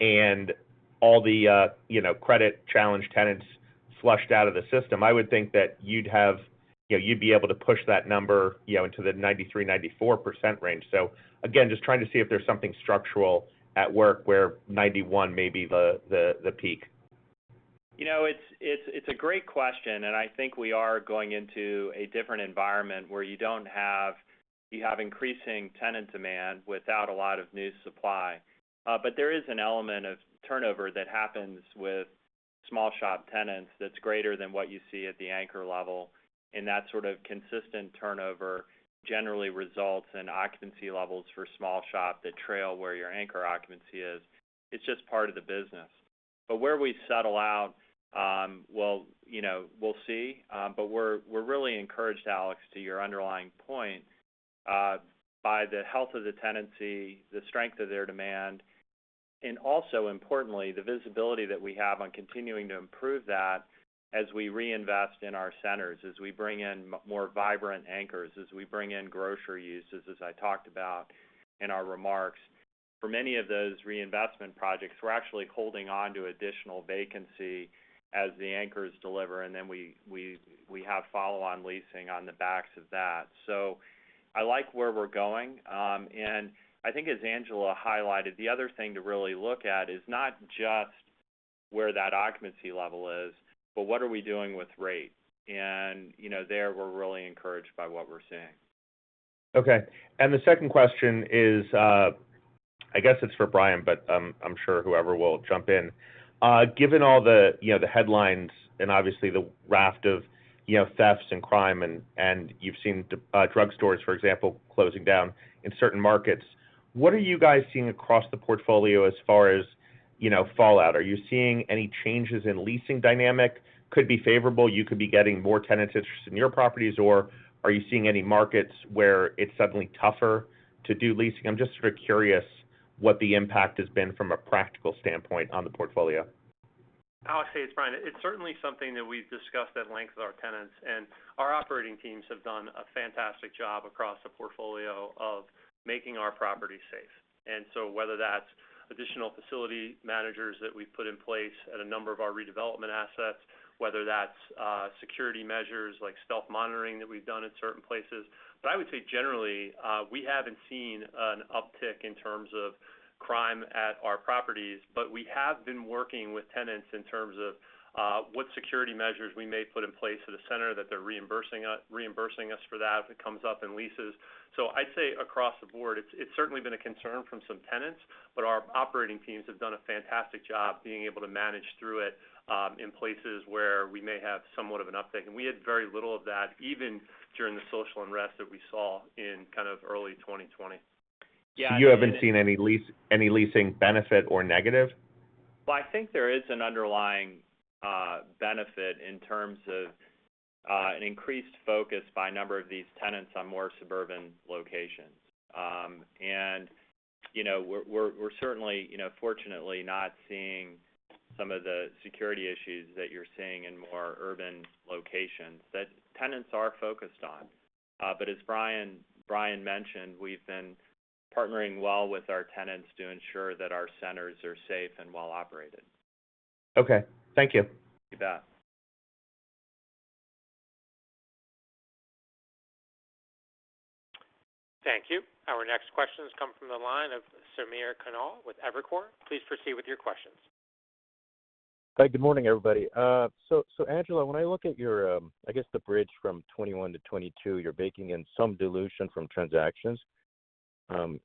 [SPEAKER 14] and all the, you know, credit-challenged tenants flushed out of the system, I would think that you'd have, you know, you'd be able to push that number, you know, into the 93%-94% range. So again, just trying to see if there's something structural at work where 91% may be the peak.
[SPEAKER 3] You know, it's a great question. I think we are going into a different environment where you have increasing tenant demand without a lot of new supply. There is an element of turnover that happens with small shop tenants that's greater than what you see at the anchor level. That sort of consistent turnover generally results in occupancy levels for small shop that trail where your anchor occupancy is. It's just part of the business. Where we settle out, we'll, you know, we'll see. We're really encouraged, Alex, to your underlying point, by the health of the tenancy, the strength of their demand, and also importantly, the visibility that we have on continuing to improve that as we reinvest in our centers, as we bring in more vibrant anchors, as we bring in grocery uses, as I talked about in our remarks. For many of those reinvestment projects, we're actually holding onto additional vacancy as the anchors deliver, and then we have follow-on leasing on the backs of that. I like where we're going. I think as Angela highlighted, the other thing to really look at is not just where that occupancy level is, but what are we doing with rate. You know, there, we're really encouraged by what we're seeing.
[SPEAKER 14] Okay. The second question is, I guess it's for Brian, but, I'm sure whoever will jump in. Given all the, you know, the headlines and obviously the raft of, you know, thefts and crime and you've seen drugstores, for example, closing down in certain markets, what are you guys seeing across the portfolio as far as, you know, fallout? Are you seeing any changes in leasing dynamic? Could be favorable, you could be getting more tenants interested in your properties, or are you seeing any markets where it's suddenly tougher to do leasing? I'm just sort of curious what the impact has been from a practical standpoint on the portfolio.
[SPEAKER 7] Alex, hey, it's Brian. It's certainly something that we've discussed at length with our tenants, and our operating teams have done a fantastic job across the portfolio of making our property safe. Whether that's additional facility managers that we've put in place at a number of our redevelopment assets, whether that's security measures like Stealth Monitoring that we've done in certain places. I would say generally, we haven't seen an uptick in terms of crime at our properties, but we have been working with tenants in terms of what security measures we may put in place at a center, that they're reimbursing us for that if it comes up in leases. I'd say across the board, it's certainly been a concern from some tenants, but our operating teams have done a fantastic job being able to manage through it, in places where we may have somewhat of an uptick. We had very little of that even during the social unrest that we saw in kind of early 2020.
[SPEAKER 3] You haven't seen any leasing benefit or negative? Well, I think there is an underlying benefit in terms of an increased focus by a number of these tenants on more suburban locations. You know, we're certainly, you know, fortunately not seeing some of the security issues that you're seeing in more urban locations that tenants are focused on. As Brian mentioned, we've been partnering well with our tenants to ensure that our centers are safe and well-operated.
[SPEAKER 14] Okay. Thank you.
[SPEAKER 3] You bet.
[SPEAKER 1] Thank you. Our next question has come from the line of Samir Khanal with Evercore. Please proceed with your questions.
[SPEAKER 15] Hi, good morning, everybody. Angela, when I look at your, I guess the bridge from 2021 to 2022, you're baking in some dilution from transactions.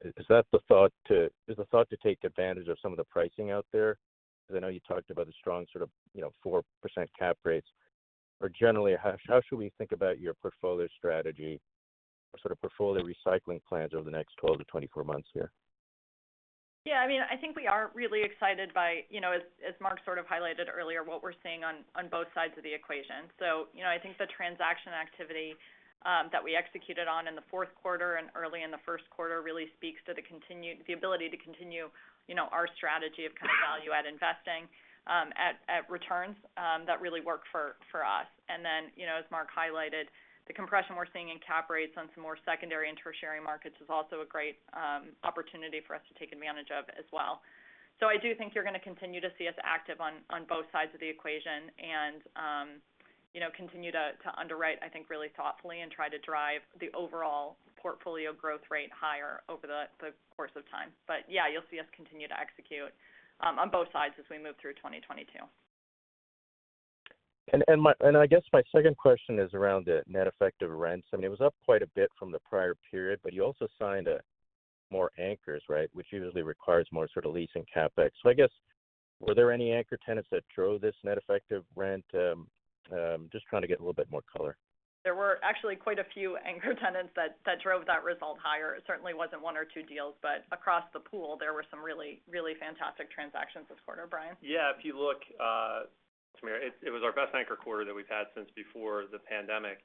[SPEAKER 15] Is that the thought to take advantage of some of the pricing out there? Because I know you talked about the strong sort of, you know, 4% cap rates. Or generally, how should we think about your portfolio strategy, sort of portfolio recycling plans over the next 12 to 24 months here?
[SPEAKER 4] Yeah, I mean, I think we are really excited by, you know, as Mark sort of highlighted earlier, what we're seeing on both sides of the equation. You know, I think the transaction activity that we executed on in the fourth quarter and early in the first quarter really speaks to the continued ability to continue, you know, our strategy of kind of value-add investing at returns that really work for us. You know, as Mark highlighted, the compression we're seeing in cap rates on some more secondary and tertiary markets is also a great opportunity for us to take advantage of as well. I do think you're gonna continue to see us active on both sides of the equation and, you know, continue to underwrite, I think, really thoughtfully and try to drive the overall portfolio growth rate higher over the course of time. Yeah, you'll see us continue to execute on both sides as we move through 2022.
[SPEAKER 15] I guess my second question is around the net effective rents. I mean, it was up quite a bit from the prior period, but you also signed more anchors, right? Which usually requires more sort of leasing CapEx. I guess, were there any anchor tenants that drove this net effective rent? Just trying to get a little bit more color.
[SPEAKER 4] There were actually quite a few anchor tenants that drove that result higher. It certainly wasn't one or two deals, but across the pool, there were some really, really fantastic transactions this quarter. Brian?
[SPEAKER 7] Yeah, if you look, Samir, it was our best anchor quarter that we've had since before the pandemic.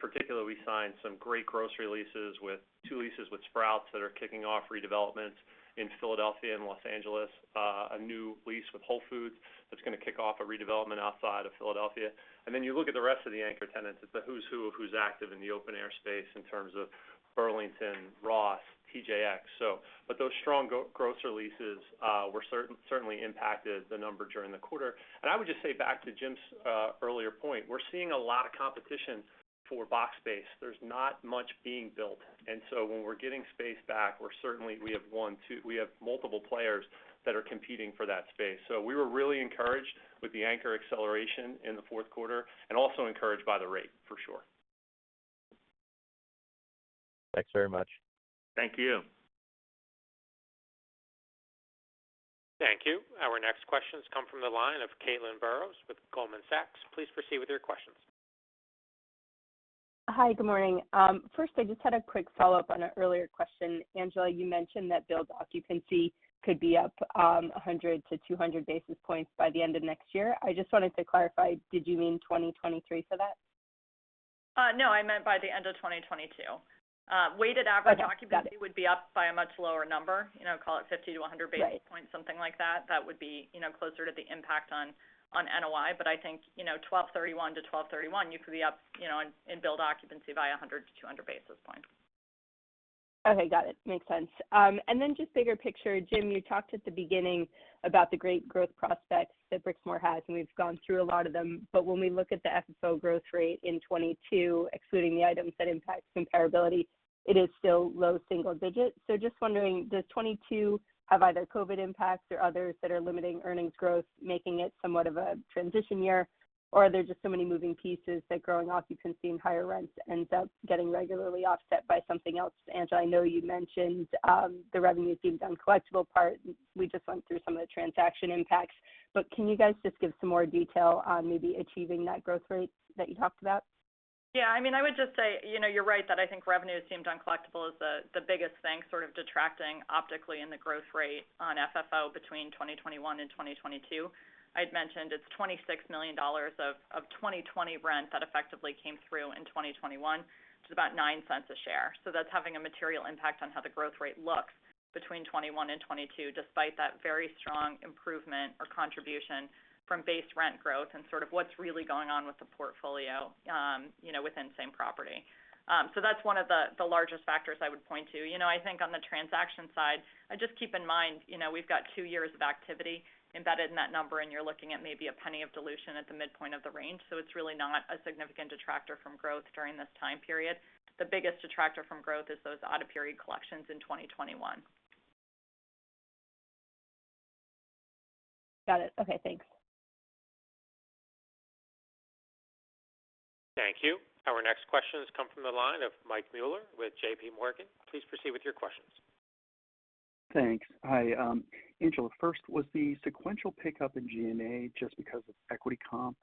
[SPEAKER 7] Particularly, we signed some great grocery leases with two leases with Sprouts that are kicking off redevelopment in Philadelphia and Los Angeles, a new lease with Whole Foods that's gonna kick off a redevelopment outside of Philadelphia. Then you look at the rest of the anchor tenants, it's a who's who of who's active in the open air space in terms of Burlington, Ross, TJX. But those strong grocery leases were certainly impacted the number during the quarter. I would just say back to Jim's earlier point, we're seeing a lot of competition for box space. There's not much being built. When we're getting space back, we have multiple players that are competing for that space. We were really encouraged with the anchor acceleration in the fourth quarter and also encouraged by the rate for sure.
[SPEAKER 15] Thanks very much.
[SPEAKER 7] Thank you.
[SPEAKER 1] Thank you. Our next question's come from the line of Caitlin Burrows with Goldman Sachs. Please proceed with your questions.
[SPEAKER 16] Hi, good morning. First, I just had a quick follow-up on an earlier question. Angela, you mentioned that blended occupancy could be up 100-200 basis points by the end of next year. I just wanted to clarify, did you mean 2023 for that?
[SPEAKER 4] No, I meant by the end of 2022. Weighted average-
[SPEAKER 16] Okay, got it.
[SPEAKER 4] occupancy would be up by a much lower number. You know, call it 50-100 basis points.
[SPEAKER 16] Right
[SPEAKER 4] Something like that. That would be, you know, closer to the impact on NOI. I think, you know, 12/31 to 12/31, you could be up, you know, in blended occupancy by 100-200 basis points.
[SPEAKER 16] Okay, got it. Makes sense. Then just bigger picture, Jim, you talked at the beginning about the great growth prospects that Brixmor has, and we've gone through a lot of them. When we look at the FFO growth rate in 2022, excluding the items that impact comparability, it is still low single digits. Just wondering, does 2022 have either COVID impacts or others that are limiting earnings growth, making it somewhat of a transition year? Or are there just so many moving pieces that growing occupancy and higher rents ends up getting regularly offset by something else? Angela, I know you mentioned the revenue deemed uncollectible part. We just went through some of the transaction impacts. Can you guys just give some more detail on maybe achieving that growth rate that you talked about?
[SPEAKER 4] Yeah. I mean, I would just say, you know, you're right that I think revenue deemed uncollectible is the biggest thing sort of detracting optically in the growth rate on FFO between 2021 and 2022. I'd mentioned it's $26 million of 2020 rent that effectively came through in 2021 to about $0.09 a share. So that's having a material impact on how the growth rate looks between 2021 and 2022, despite that very strong improvement or contribution from base rent growth and sort of what's really going on with the portfolio, you know, within same property. So that's one of the largest factors I would point to. You know, I think on the transaction side, just keep in mind, you know, we've got two years of activity embedded in that number, and you're looking at maybe a penny of dilution at the midpoint of the range. So it's really not a significant detractor from growth during this time period. The biggest detractor from growth is those out-of-period collections in 2021.
[SPEAKER 16] Got it. Okay, thanks.
[SPEAKER 1] Thank you. Our next questions come from the line of Michael Mueller with J.P. Morgan. Please proceed with your questions.
[SPEAKER 17] Thanks. Hi, Angela. First, was the sequential pickup in G&A just because of equity comp?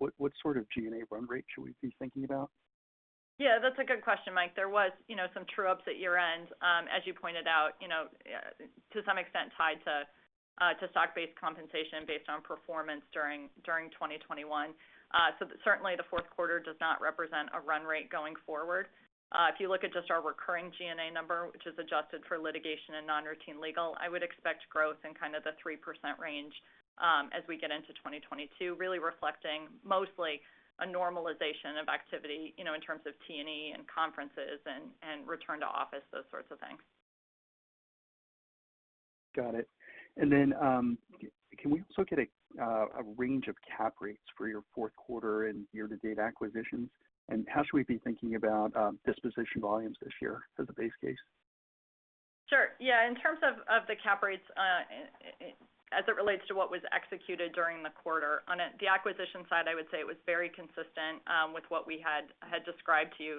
[SPEAKER 17] What sort of G&A run rate should we be thinking about?
[SPEAKER 4] Yeah, that's a good question, Mike. There was, you know, some true-ups at year-end, as you pointed out, you know, to some extent tied to stock-based compensation based on performance during 2021. Certainly the fourth quarter does not represent a run rate going forward. If you look at just our recurring G&A number, which is adjusted for litigation and non-routine legal, I would expect growth in kind of the 3% range, as we get into 2022, really reflecting mostly a normalization of activity, you know, in terms of T&E and conferences and return to office, those sorts of things.
[SPEAKER 17] Got it. Can we also get a range of cap rates for your fourth quarter and year-to-date acquisitions? How should we be thinking about disposition volumes this year as a base case?
[SPEAKER 4] Sure. In terms of the cap rates, as it relates to what was executed during the quarter. On the acquisition side, I would say it was very consistent with what we had described to you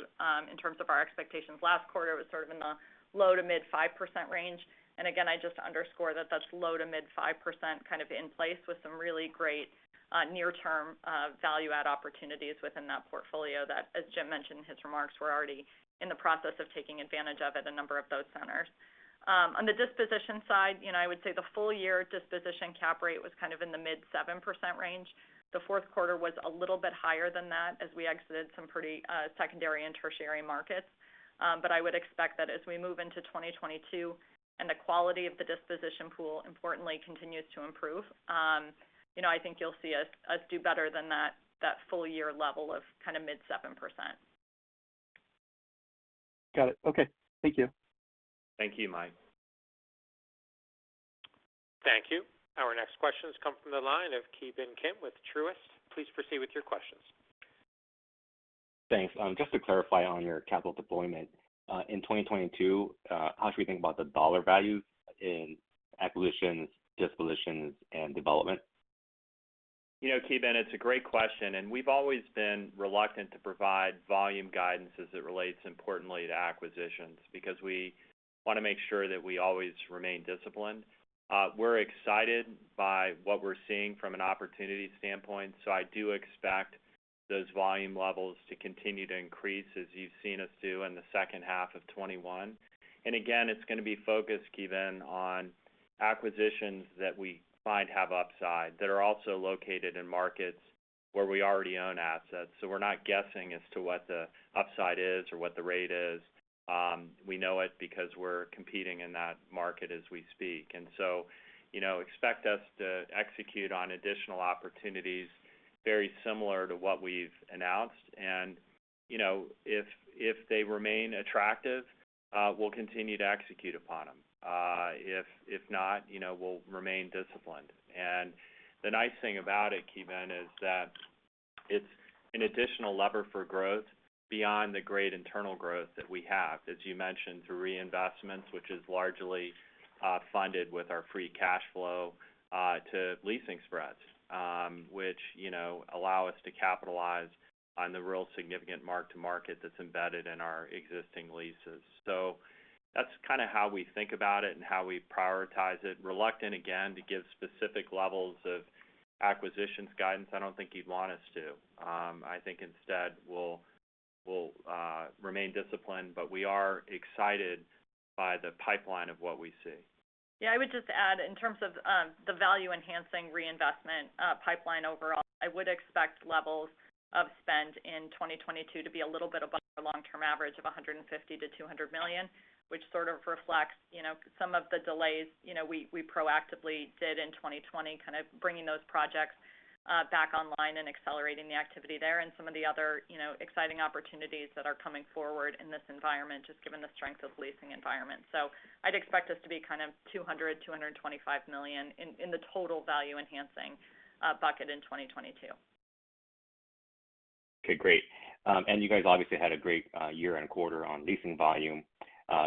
[SPEAKER 4] in terms of our expectations. Last quarter, it was sort of in the low- to mid-5% range. Again, I just underscore that that's low- to mid-5% kind of in place with some really great near-term value add opportunities within that portfolio that, as Jim mentioned in his remarks, we're already in the process of taking advantage of at a number of those centers. On the disposition side, you know, I would say the full year disposition cap rate was kind of in the mid-7% range. The fourth quarter was a little bit higher than that as we exited some pretty secondary and tertiary markets. I would expect that as we move into 2022 and the quality of the disposition pool importantly continues to improve, you know, I think you'll see us do better than that full year level of kind of mid-7%.
[SPEAKER 17] Got it. Okay. Thank you.
[SPEAKER 1] Thank you, Mike. Thank you. Our next questions come from the line of Ki Bin Kim with Truist. Please proceed with your questions.
[SPEAKER 18] Thanks. Just to clarify on your capital deployment, in 2022, how should we think about the dollar values in acquisitions, dispositions, and development?
[SPEAKER 3] You know, Ki Bin, it's a great question, and we've always been reluctant to provide volume guidance as it relates importantly to acquisitions, because we wanna make sure that we always remain disciplined. We're excited by what we're seeing from an opportunity standpoint, so I do expect those volume levels to continue to increase as you've seen us do in the second half of 2021. Again, it's gonna be focused, Ki Bin, on acquisitions that we find have upside, that are also located in markets where we already own assets. We're not guessing as to what the upside is or what the rate is. We know it because we're competing in that market as we speak. You know, expect us to execute on additional opportunities very similar to what we've announced. You know, if they remain attractive, we'll continue to execute upon them. If not, you know, we'll remain disciplined. The nice thing about it, Ki Bin Kim, is that it's an additional lever for growth beyond the great internal growth that we have. As you mentioned, through reinvestments, which is largely funded with our free cash flow to leasing spreads, which, you know, allow us to capitalize on the real significant mark-to-market that's embedded in our existing leases. That's kinda how we think about it and how we prioritize it. We're reluctant, again, to give specific levels of acquisitions guidance. I don't think you'd want us to. I think instead we'll remain disciplined, but we are excited by the pipeline of what we see.
[SPEAKER 4] Yeah. I would just add in terms of the value enhancing reinvestment pipeline overall. I would expect levels of spend in 2022 to be a little bit above our long-term average of $150 million-$200 million, which sort of reflects, you know, some of the delays, you know, we proactively did in 2020, kind of bringing those projects back online and accelerating the activity there and some of the other, you know, exciting opportunities that are coming forward in this environment, just given the strength of leasing environment. I'd expect us to be kind of $200 million-$225 million in the total value enhancing bucket in 2022.
[SPEAKER 18] Okay, great. You guys obviously had a great year and quarter on leasing volume.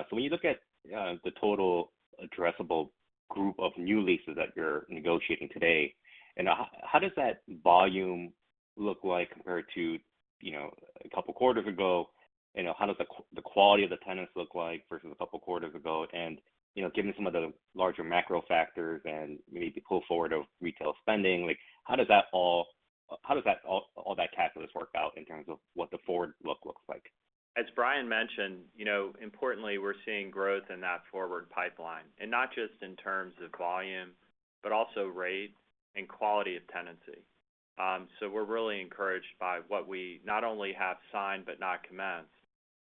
[SPEAKER 18] When you look at the total addressable group of new leases that you're negotiating today, and how does that volume look like compared to, you know, a couple quarters ago? You know, how does the quality of the tenants look like versus a couple quarters ago? Given some of the larger macro factors and maybe pull forward of retail spending, like how does all that calculus work out in terms of what the forward look looks like?
[SPEAKER 3] As Brian mentioned, you know, importantly, we're seeing growth in that forward pipeline, and not just in terms of volume, but also rates and quality of tenancy. We're really encouraged by what we not only have signed but not commenced,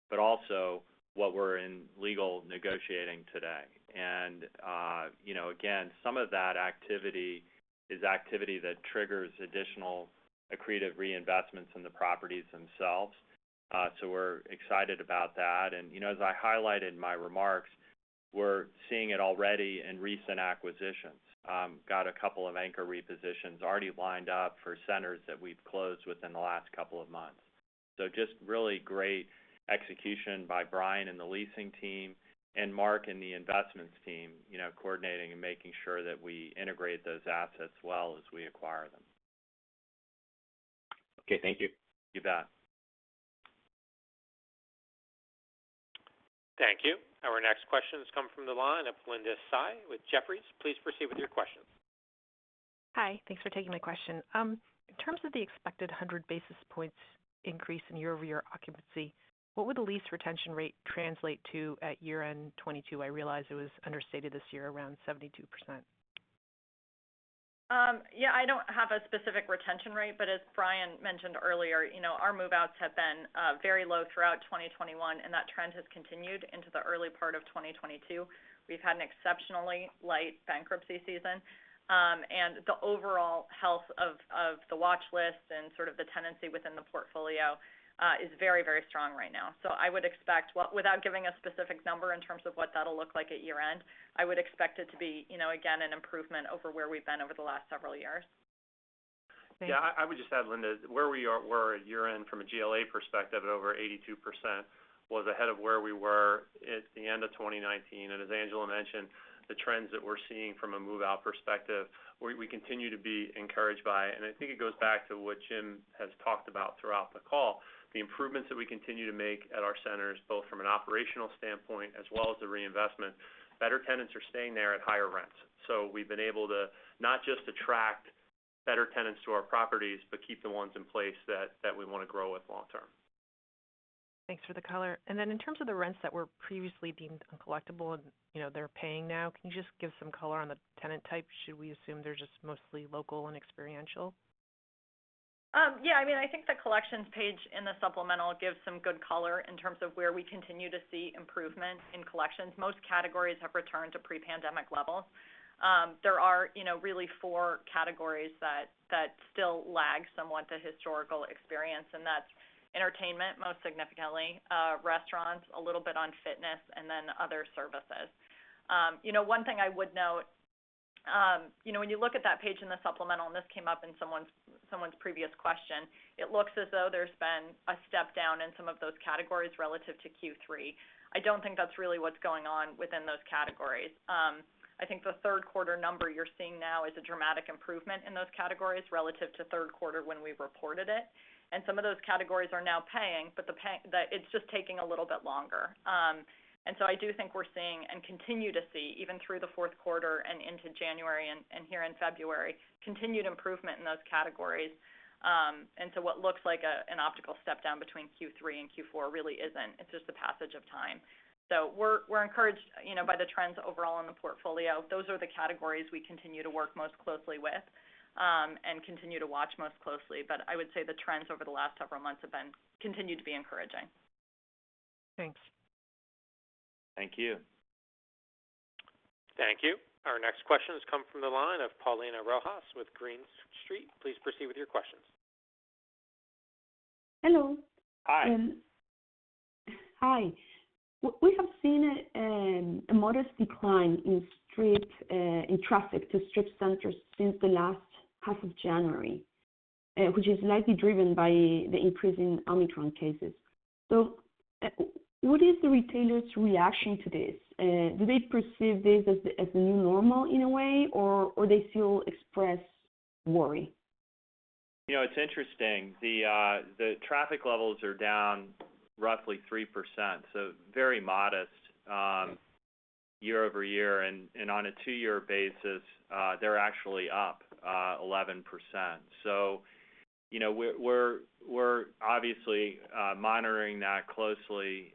[SPEAKER 3] but also what we're in legal negotiating today. You know, again, some of that activity that triggers additional accretive reinvestments in the properties themselves. We're excited about that. You know, as I highlighted in my remarks, we're seeing it already in recent acquisitions. Got a couple of anchor repositions already lined up for centers that we've closed within the last couple of months. Just really great execution by Brian and the leasing team and Mark and the investments team, you know, coordinating and making sure that we integrate those assets well as we acquire them.
[SPEAKER 18] Okay, thank you.
[SPEAKER 3] You bet.
[SPEAKER 1] Thank you. Our next question has come from the line of Linda Tsai with Jefferies. Please proceed with your questions.
[SPEAKER 19] Hi. Thanks for taking my question. In terms of the expected 100 basis points increase in year-over-year occupancy, what would the lease retention rate translate to at year end 2022? I realize it was understated this year around 72%.
[SPEAKER 4] Yeah, I don't have a specific retention rate, but as Brian mentioned earlier, you know, our move-outs have been very low throughout 2021, and that trend has continued into the early part of 2022. We've had an exceptionally light bankruptcy season. The overall health of the watch list and sort of the tenancy within the portfolio is very, very strong right now. So I would expect, well, without giving a specific number in terms of what that'll look like at year end, I would expect it to be, you know, again, an improvement over where we've been over the last several years.
[SPEAKER 19] Thank you.
[SPEAKER 7] Yeah, I would just add, Linda, where we were at year-end from a GLA perspective at over 82% was ahead of where we were at the end of 2019. As Angela mentioned, the trends that we're seeing from a move-out perspective, we continue to be encouraged by. I think it goes back to what Jim has talked about throughout the call. The improvements that we continue to make at our centers, both from an operational standpoint as well as the reinvestment, better tenants are staying there at higher rents. We've been able to not just attract better tenants to our properties, but keep the ones in place that we wanna grow with long term.
[SPEAKER 19] Thanks for the color. In terms of the rents that were previously deemed uncollectible and, you know, they're paying now, can you just give some color on the tenant type? Should we assume they're just mostly local and experiential?
[SPEAKER 4] Yeah, I mean, I think the collections page in the supplemental gives some good color in terms of where we continue to see improvement in collections. Most categories have returned to pre-pandemic levels. There are, you know, really four categories that still lag somewhat to historical experience, and that's entertainment, most significantly, restaurants, a little bit on fitness, and then other services. You know, one thing I would note, you know, when you look at that page in the supplemental, and this came up in someone's previous question, it looks as though there's been a step down in some of those categories relative to Q3. I don't think that's really what's going on within those categories. I think the third quarter number you're seeing now is a dramatic improvement in those categories relative to third quarter when we reported it. Some of those categories are now paying, but it's just taking a little bit longer. I do think we're seeing and continue to see even through the fourth quarter and into January and here in February continued improvement in those categories. What looks like an optical step down between Q3 and Q4 really isn't. It's just the passage of time. We're encouraged, you know, by the trends overall in the portfolio. Those are the categories we continue to work most closely with and continue to watch most closely. I would say the trends over the last several months continue to be encouraging.
[SPEAKER 19] Thanks.
[SPEAKER 3] Thank you.
[SPEAKER 1] Thank you. Our next question has come from the line of Paulina Rojas with Green Street. Please proceed with your questions.
[SPEAKER 20] Hello.
[SPEAKER 3] Hi.
[SPEAKER 20] Hi. We have seen a modest decline in traffic to strip centers since the last half of January, which is likely driven by the increase in Omicron cases. What is the retailers' reaction to this? Do they perceive this as the new normal in a way, or they still express worry?
[SPEAKER 3] You know, it's interesting. The traffic levels are down roughly 3%, so very modest year-over-year. On a two-year basis, they're actually up 11%. You know, we're obviously monitoring that closely,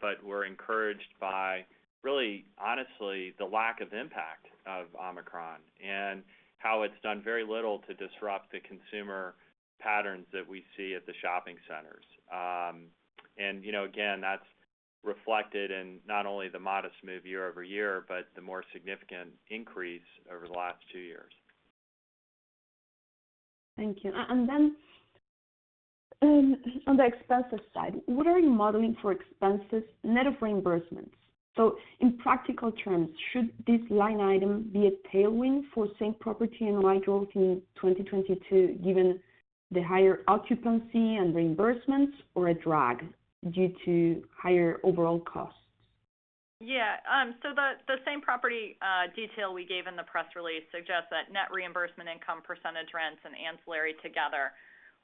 [SPEAKER 3] but we're encouraged by really honestly the lack of impact of Omicron and how it's done very little to disrupt the consumer patterns that we see at the shopping centers. You know, again, that's reflected in not only the modest move year-over-year, but the more significant increase over the last two years.
[SPEAKER 20] Thank you. On the expenses side, what are you modeling for expenses net of reimbursements? In practical terms, should this line item be a tailwind for same property NOI growth in 2022, given the higher occupancy and reimbursements, or a drag due to higher overall costs?
[SPEAKER 4] Yeah. The same property detail we gave in the press release suggests that net reimbursement income percentage rents and ancillary together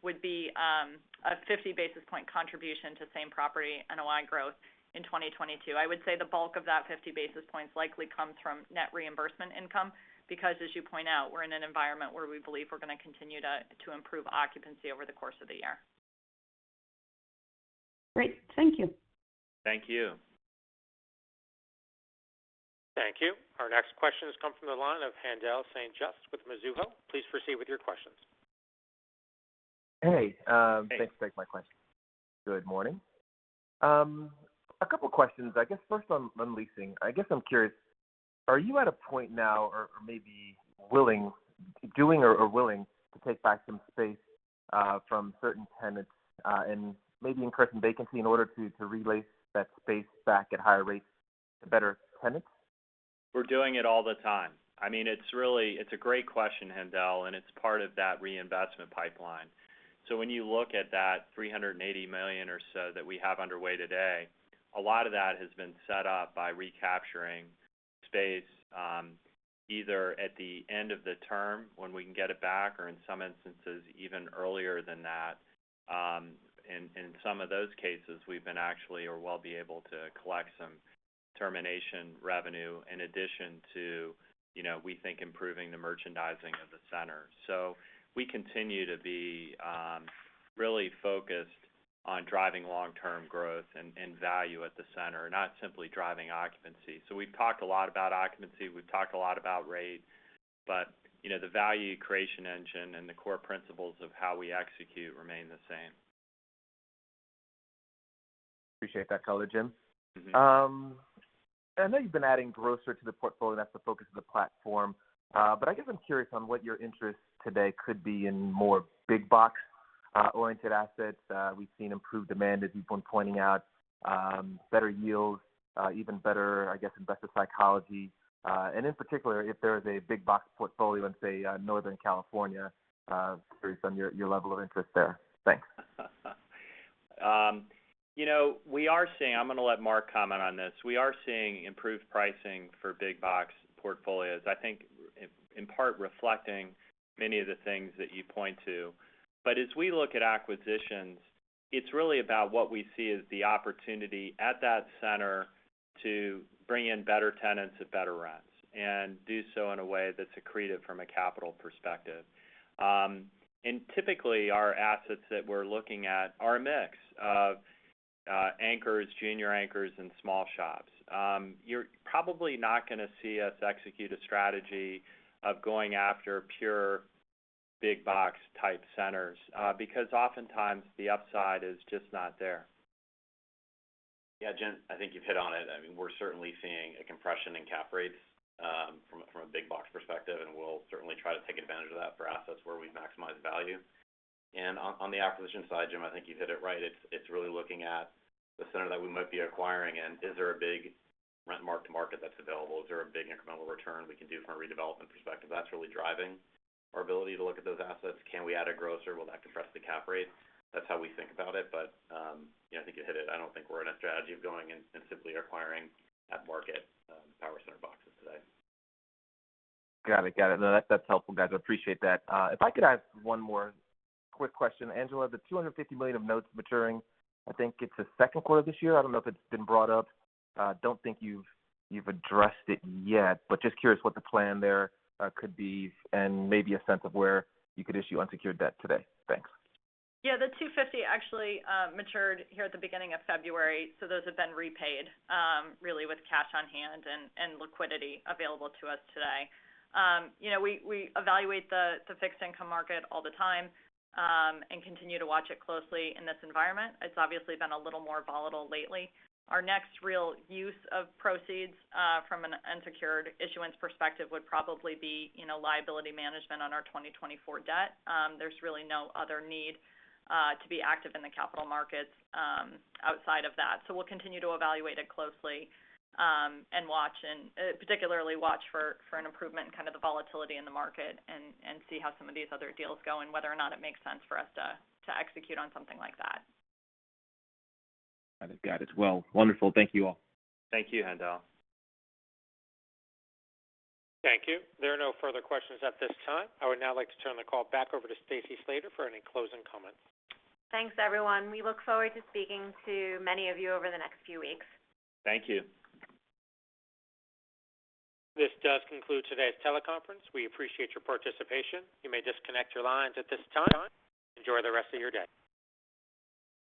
[SPEAKER 4] would be a 50 basis point contribution to same property NOI growth in 2022. I would say the bulk of that 50 basis points likely comes from net reimbursement income, because as you point out, we're in an environment where we believe we're gonna continue to improve occupancy over the course of the year.
[SPEAKER 20] Great. Thank you.
[SPEAKER 3] Thank you.
[SPEAKER 1] Thank you. Our next question has come from the line of Haendel St. Juste with Mizuho. Please proceed with your questions.
[SPEAKER 21] Hey.
[SPEAKER 3] Hey
[SPEAKER 21] Thanks. Thanks for my question. Good morning. A couple questions. I guess first on leasing. I guess I'm curious- Are you at a point now or maybe willing to take back some space from certain tenants and maybe increase some vacancy in order to re-lease that space back at higher rates to better tenants?
[SPEAKER 3] We're doing it all the time. I mean, it's really a great question, Haendel, and it's part of that reinvestment pipeline. When you look at that $380 million or so that we have underway today, a lot of that has been set up by recapturing space, either at the end of the term when we can get it back or in some instances even earlier than that. In some of those cases, we've been actually or will be able to collect some termination revenue in addition to, you know, we think improving the merchandising of the center. We continue to be really focused on driving long-term growth and value at the center, not simply driving occupancy. We've talked a lot about occupancy, we've talked a lot about rate, but, you know, the value creation engine and the core principles of how we execute remain the same.
[SPEAKER 21] Appreciate that color, Jim. I know you've been adding grocer to the portfolio, and that's the focus of the platform. I guess I'm curious on what your interest today could be in more big box oriented assets. We've seen improved demand, as you've been pointing out, better yields, even better, I guess, investor psychology. In particular, if there is a big box portfolio in, say, Northern California, curious on your level of interest there. Thanks.
[SPEAKER 3] You know, I'm gonna let Mark comment on this. We are seeing improved pricing for big box portfolios. I think in part reflecting many of the things that you point to. As we look at acquisitions, it's really about what we see as the opportunity at that center to bring in better tenants at better rents and do so in a way that's accretive from a capital perspective. Typically our assets that we're looking at are a mix of anchors, junior anchors, and small shops. You're probably not gonna see us execute a strategy of going after pure big box type centers because oftentimes the upside is just not there.
[SPEAKER 10] Yeah, Jim, I think you've hit on it. I mean, we're certainly seeing a compression in cap rates from a big box perspective, and we'll certainly try to take advantage of that for assets where we maximize value. On the acquisition side, Jim, I think you've hit it right. It's really looking at the center that we might be acquiring and is there a big rent mark-to-market that's available? Is there a big incremental return we can do from a redevelopment perspective? That's really driving our ability to look at those assets. Can we add a grocer? Will that compress the cap rate? That's how we think about it. You know, I think you hit it. I don't think we're in a strategy of going and simply acquiring at market power center boxes today.
[SPEAKER 21] Got it. No, that's helpful, guys. I appreciate that. If I could ask one more quick question. Angela, the $250 million of notes maturing, I think it's the second quarter of this year. I don't know if it's been brought up. Don't think you've addressed it yet, but just curious what the plan there could be and maybe a sense of where you could issue unsecured debt today. Thanks.
[SPEAKER 4] Yeah, the $250 million actually matured here at the beginning of February, so those have been repaid really with cash on hand and liquidity available to us today. You know, we evaluate the fixed income market all the time and continue to watch it closely in this environment. It's obviously been a little more volatile lately. Our next real use of proceeds from an unsecured issuance perspective would probably be, you know, liability management on our 2024 debt. There's really no other need to be active in the capital markets outside of that. We'll continue to evaluate it closely, and watch particularly for an improvement in kind of the volatility in the market and see how some of these other deals go and whether or not it makes sense for us to execute on something like that.
[SPEAKER 21] Got it. Well, wonderful. Thank you all.
[SPEAKER 3] Thank you, Haendel.
[SPEAKER 1] Thank you. There are no further questions at this time. I would now like to turn the call back over to Stacy Slater for any closing comments.
[SPEAKER 2] Thanks, everyone. We look forward to speaking to many of you over the next few weeks.
[SPEAKER 3] Thank you.
[SPEAKER 1] This does conclude today's teleconference. We appreciate your participation. You may disconnect your lines at this time. Enjoy the rest of your day.